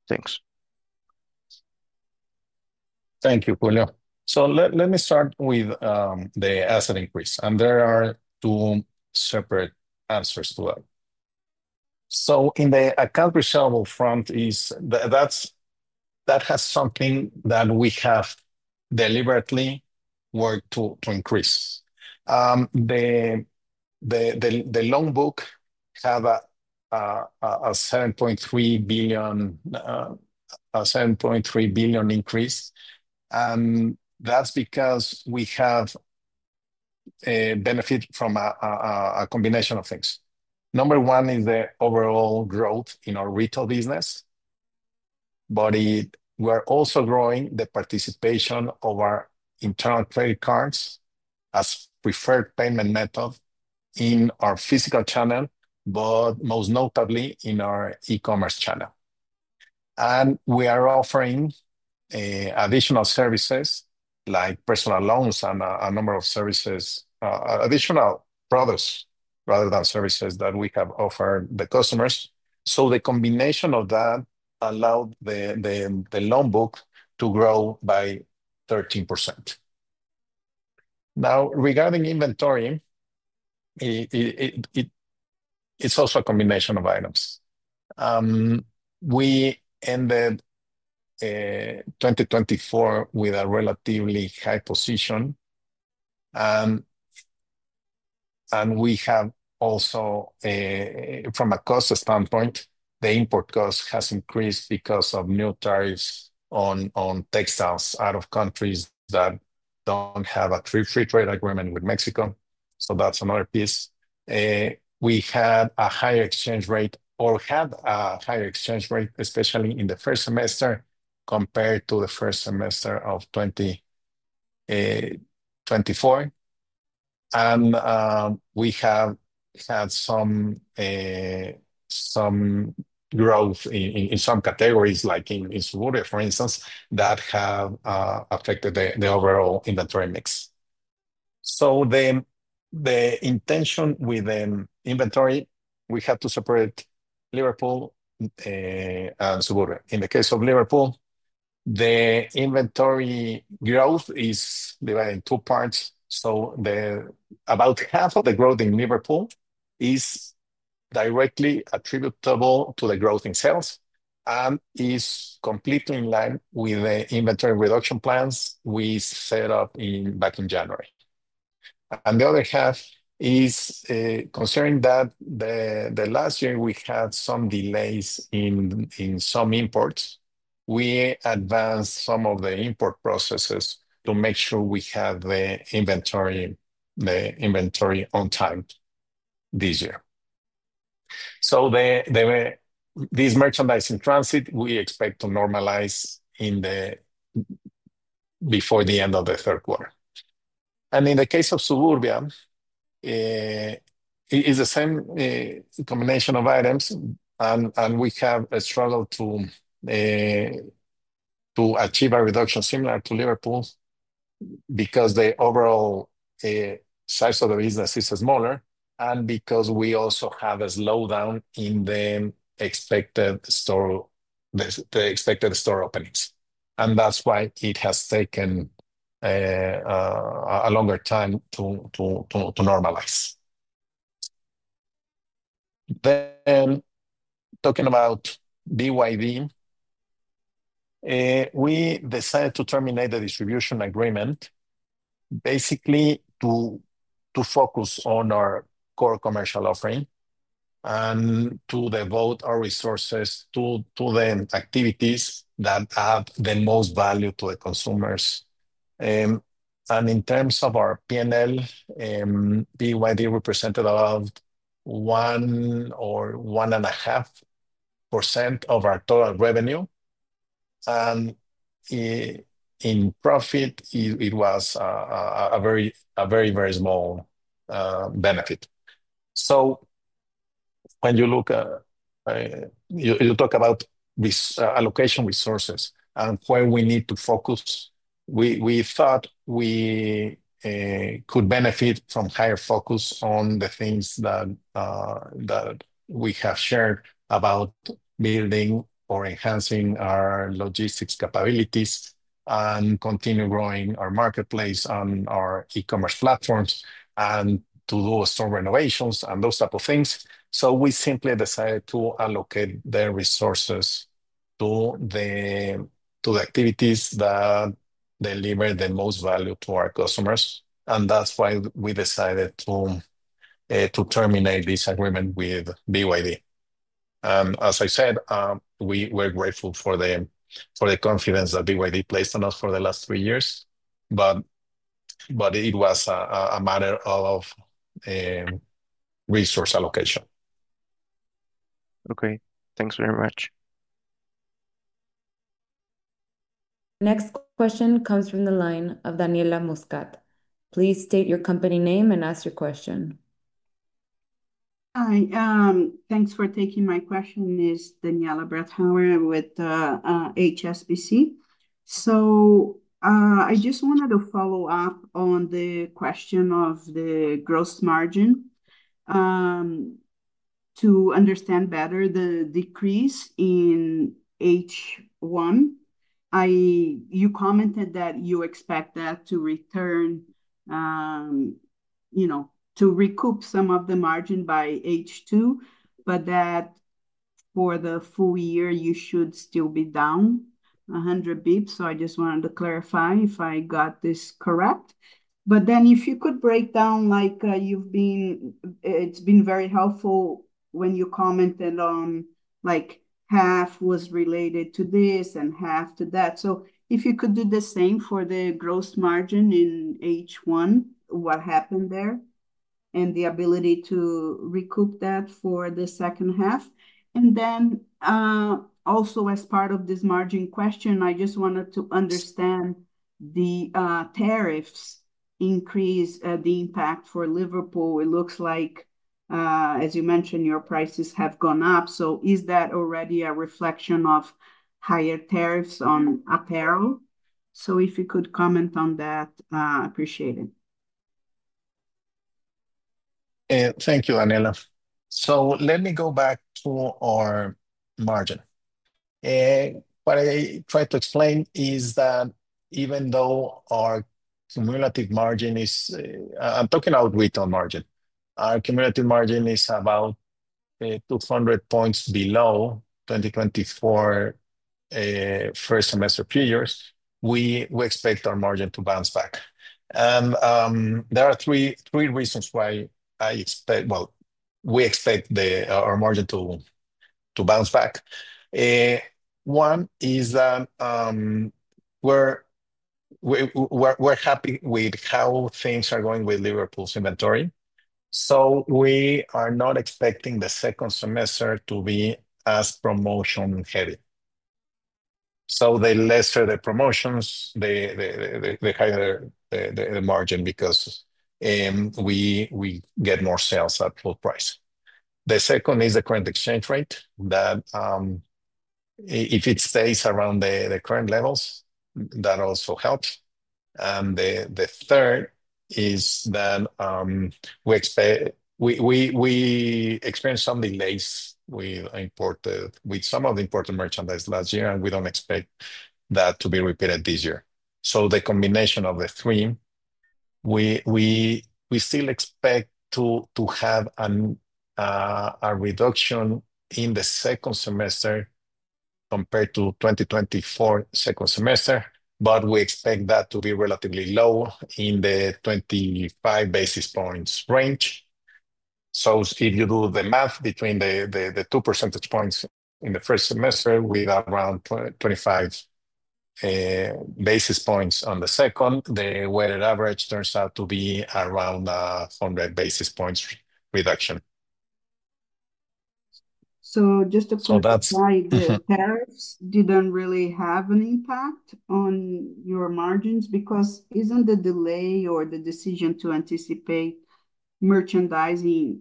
Thanks. Thank you, Julio. Let me start with the asset increase, and there are two separate answers to that. In the account receivable front, that is something that we have deliberately worked to increase. The loan book had a $7.3 billion increase, and that's because we have benefited from a combination of things. Number one is the overall growth in our retail business, but we're also growing the participation of our internal credit cards as a preferred payment method in our physical channel, but most notably in our e-commerce channel. We are offering additional services like personal loans and a number of products rather than services that we have offered the customers. The combination of that allowed the loan book to grow by 13%. Now, regarding inventory, it's also a combination of items. We ended 2024 with a relatively high position, and we have also, from a cost standpoint, the import cost has increased because of new tariffs on textiles out of countries that don't have a free trade agreement with Mexico. That's another piece. We had a higher exchange rate or had a higher exchange rate, especially in the first semester compared to the first semester of 2024. We have had some growth in some categories, like in Suburbia, for instance, that have affected the overall inventory mix. The intention with the inventory, we had to separate Liverpool and Suburbia. In the case of Liverpool, the inventory growth is divided in two parts. About half of the growth in Liverpool is directly attributable to the growth in sales and is completely in line with the inventory reduction plans we set up back in January. The other half is concerning that last year we had some delays in some imports. We advanced some of the import processes to make sure we have the inventory on time this year. These merchandise in transit, we expect to normalize before the end of the third quarter. In the case of Suburbia, it's the same combination of items, and we have struggled to achieve a reduction similar to Liverpool because the overall size of the business is smaller and because we also have a slowdown in the expected store openings. That's why it has taken a longer time to normalize. Talking about BYD, we decided to terminate the distribution agreement, basically to focus on our core commercial offering and to devote our resources to the activities that add the most value to the consumers. In terms of our P&L, BYD represented about 1% or 1.5% of our total revenue. In profit, it was a very, very small benefit. When you look at, you talk about allocation resources and where we need to focus, we thought we could benefit from a higher focus on the things that we have shared about building or enhancing our logistics capabilities and continue growing our marketplace and our e-commerce platforms and to do store renovations and those types of things. We simply decided to allocate the resources to the activities that deliver the most value to our customers. That is why we decided to terminate this agreement with BYD. As I said, we were grateful for the confidence that BYD placed on us for the last three years, but it was a matter of resource allocation. Okay, thanks very much. Next question comes from the line of Daniela Bretthauer. Please state your company name and ask your question. Hi. Thanks for taking my question. This is Daniela Bretthauer with HSBC. I just wanted to follow up on the question of the gross margin to understand better the decrease in H1. You commented that you expect that to return, you know, to recoup some of the margin by H2, but that for the full year, you should still be down 100 bps. I just wanted to clarify if I got this correct. If you could break down, like you've been, it's been very helpful when you commented on like half was related to this and half to that. If you could do the same for the gross margin in H1, what happened there, and the ability to recoup that for the second half? Also, as part of this margin question, I just wanted to understand the tariffs increase, the impact for Liverpool. It looks like, as you mentioned, your prices have gone up. Is that already a reflection of higher tariffs on apparel? If you could comment on that, I appreciate it. Thank you, Daniela. Let me go back to our margin. What I tried to explain is that even though our cumulative margin is, I'm talking about retail margin, our cumulative margin is about 200 basis points below 2024 first semester period. We expect our margin to bounce back. There are three reasons why I expect, we expect our margin to bounce back. One is that we're happy with how things are going with Liverpool's inventory. We are not expecting the second semester to be as promotion-heavy. The lesser the promotions, the higher the margin because we get more sales at full price. The second is the current exchange rate, that if it stays around the current levels, that also helps. The third is that we experienced some delays with some of the imported merchandise last year, and we don't expect that to be repeated this year. The combination of the three, we still expect to have a reduction in the second semester compared to 2024 second semester, but we expect that to be relatively low in the 25 basis points range. If you do the math between the two percentage points in the first semester with around 25 basis points on the second, the weighted average turns out to be around a 100 basis points reduction. Just to clarify, the tariffs didn't really have an impact on your margins because isn't the delay or the decision to anticipate merchandising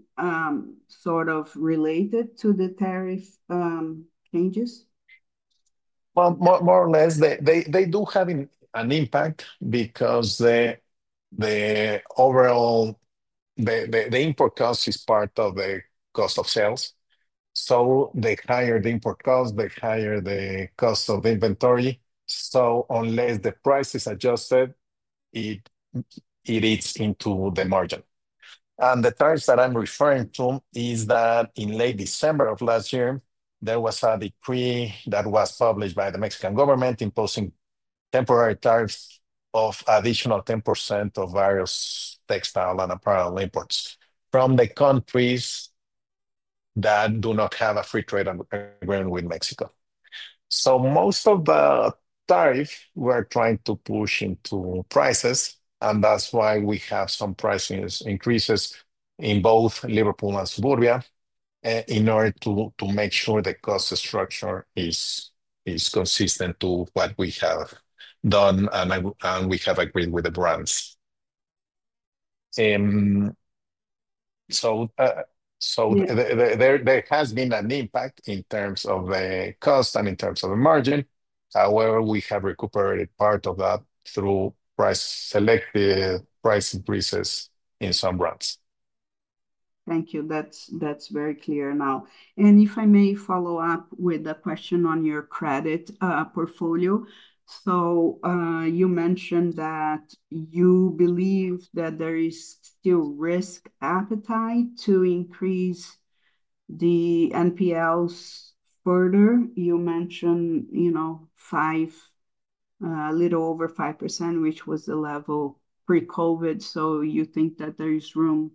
sort of related to the tariff changes? They do have an impact because the overall import cost is part of the cost of sales. The higher the import cost, the higher the cost of inventory. Unless the price is adjusted, it eats into the margin. The tariffs that I'm referring to is that in late December of last year, there was a decree that was published by the Mexican government imposing temporary tariffs of additional 10% of various textile and apparel imports from the countries that do not have a free trade agreement with Mexico. Most of the tariffs we're trying to push into prices, and that's why we have some pricing increases in both Liverpool and Suburbia in order to make sure the cost structure is consistent to what we have done and we have agreed with the brands. There has been an impact in terms of the cost and in terms of the margin. However, we have recuperated part of that through selected price increases in some brands. Thank you. That's very clear now. If I may follow up with a question on your credit portfolio. If you mentioned that you believe that there is still risk appetite to increase the NPLs further. You mentioned a little over 5%, which was the level pre-COVID. You think that there is room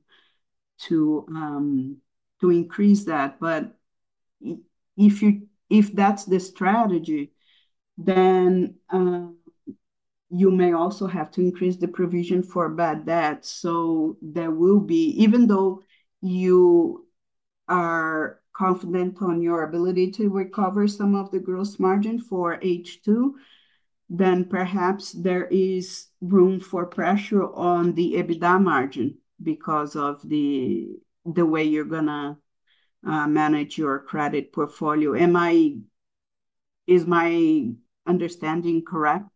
to increase that. If that's the strategy, you may also have to increase the provision for bad debt. There will be, even though you are confident on your ability to recover some of the gross margin for H2, perhaps there is room for pressure on the EBITDA margin because of the way you're going to manage your credit portfolio. Is my understanding correct?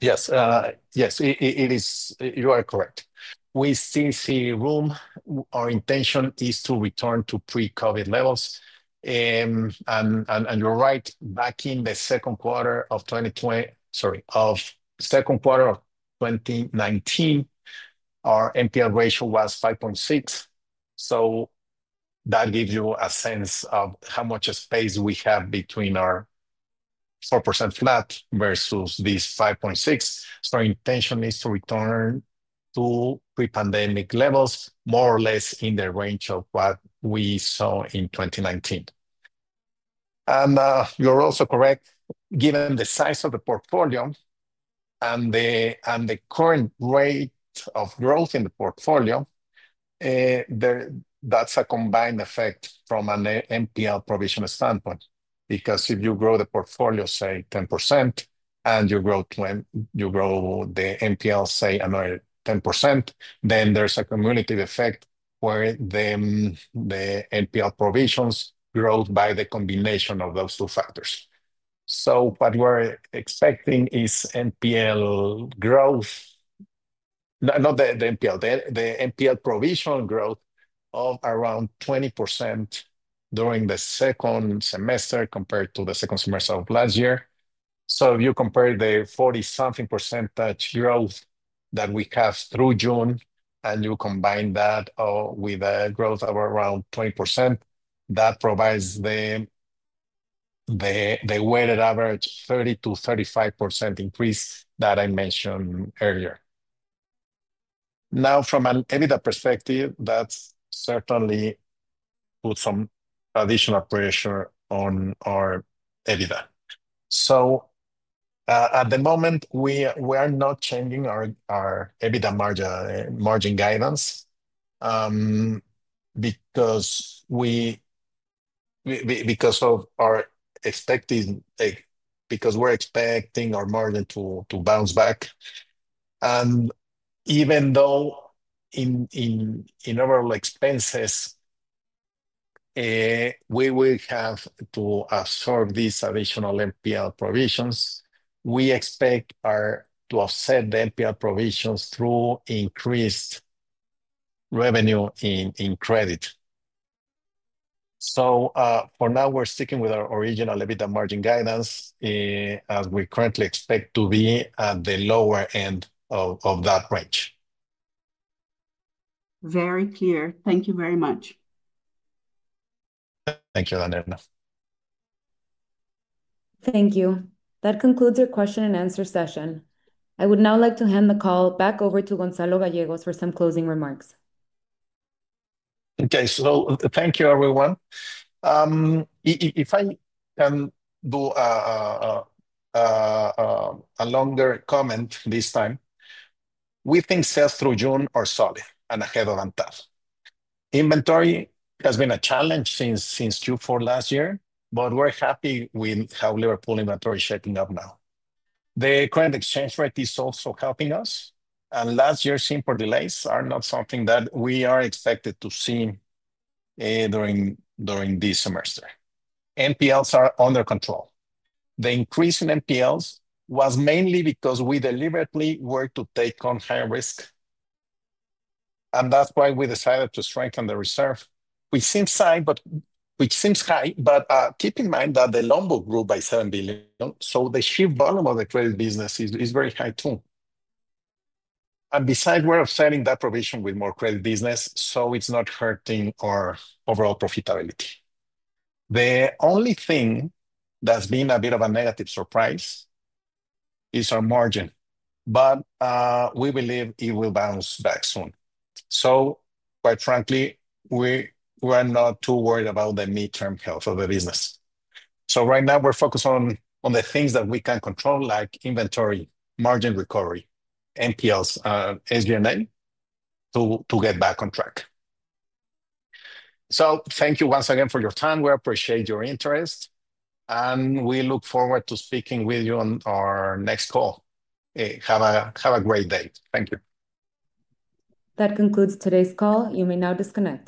Yes, yes, it is, you are correct. We still see room. Our intention is to return to pre-COVID levels. You're right, back in the second quarter of 2020, sorry, of the second quarter of 2019, our NPL ratio was 5.6%. That gives you a sense of how much space we have between our 4% flat versus this 5.6%. Our intention is to return to pre-pandemic levels, more or less in the range of what we saw in 2019. You're also correct, given the size of the portfolio and the current rate of growth in the portfolio, that's a combined effect from an NPL provision standpoint. If you grow the portfolio, say 10%, and you grow the NPL, say another 10%, then there's a cumulative effect where the NPL provisions grow by the combination of those two factors. What we're expecting is NPL growth, not the NPL, the NPL provision growth of around 20% during the second semester compared to the second semester of last year. If you compare the 40-something percentage growth that we have through June, and you combine that with a growth of around 20%, that provides the weighted average 30 to 35% increase that I mentioned earlier. Now, from an EBITDA perspective, that certainly puts some additional pressure on our EBITDA. At the moment, we are not changing our EBITDA margin guidance because we're expecting our margin to bounce back. Even though in overall expenses, we will have to absorb these additional NPL provisions, we expect to offset the NPL provisions through increased revenue in credit. For now, we're sticking with our original EBITDA margin guidance as we currently expect to be at the lower end of that range. Very clear. Thank you very much. Thank you, Daniela. Thank you. That concludes your question and answer session. I would now like to hand the call back over to Gonzalo Gallegos for some closing remarks. Okay. Thank you, everyone. If I can do a longer comment this time, we think sales through June are solid and ahead of anticipation. Inventory has been a challenge since Q4 last year, but we're happy with how Liverpool inventory is shaping up now. The current exchange rate is also helping us, and last year's import delays are not something that we are expected to see during this semester. NPLs are under control. The increase in NPLs was mainly because we deliberately were to take on higher risk. That's why we decided to strengthen the reserve, which seems high, but keep in mind that the loan book grew by $7 billion. The sheer volume of the credit business is very high too. Besides, we're offsetting that provision with more credit business, so it's not hurting our overall profitability. The only thing that's been a bit of a negative surprise is our margin, but we believe it will bounce back soon. Quite frankly, we're not too worried about the midterm health of the business. Right now, we're focused on the things that we can control, like inventory, margin recovery, NPLs, SG&A, to get back on track. Thank you once again for your time. We appreciate your interest, and we look forward to speaking with you on our next call. Have a great day. Thank you. That concludes today's call. You may now disconnect.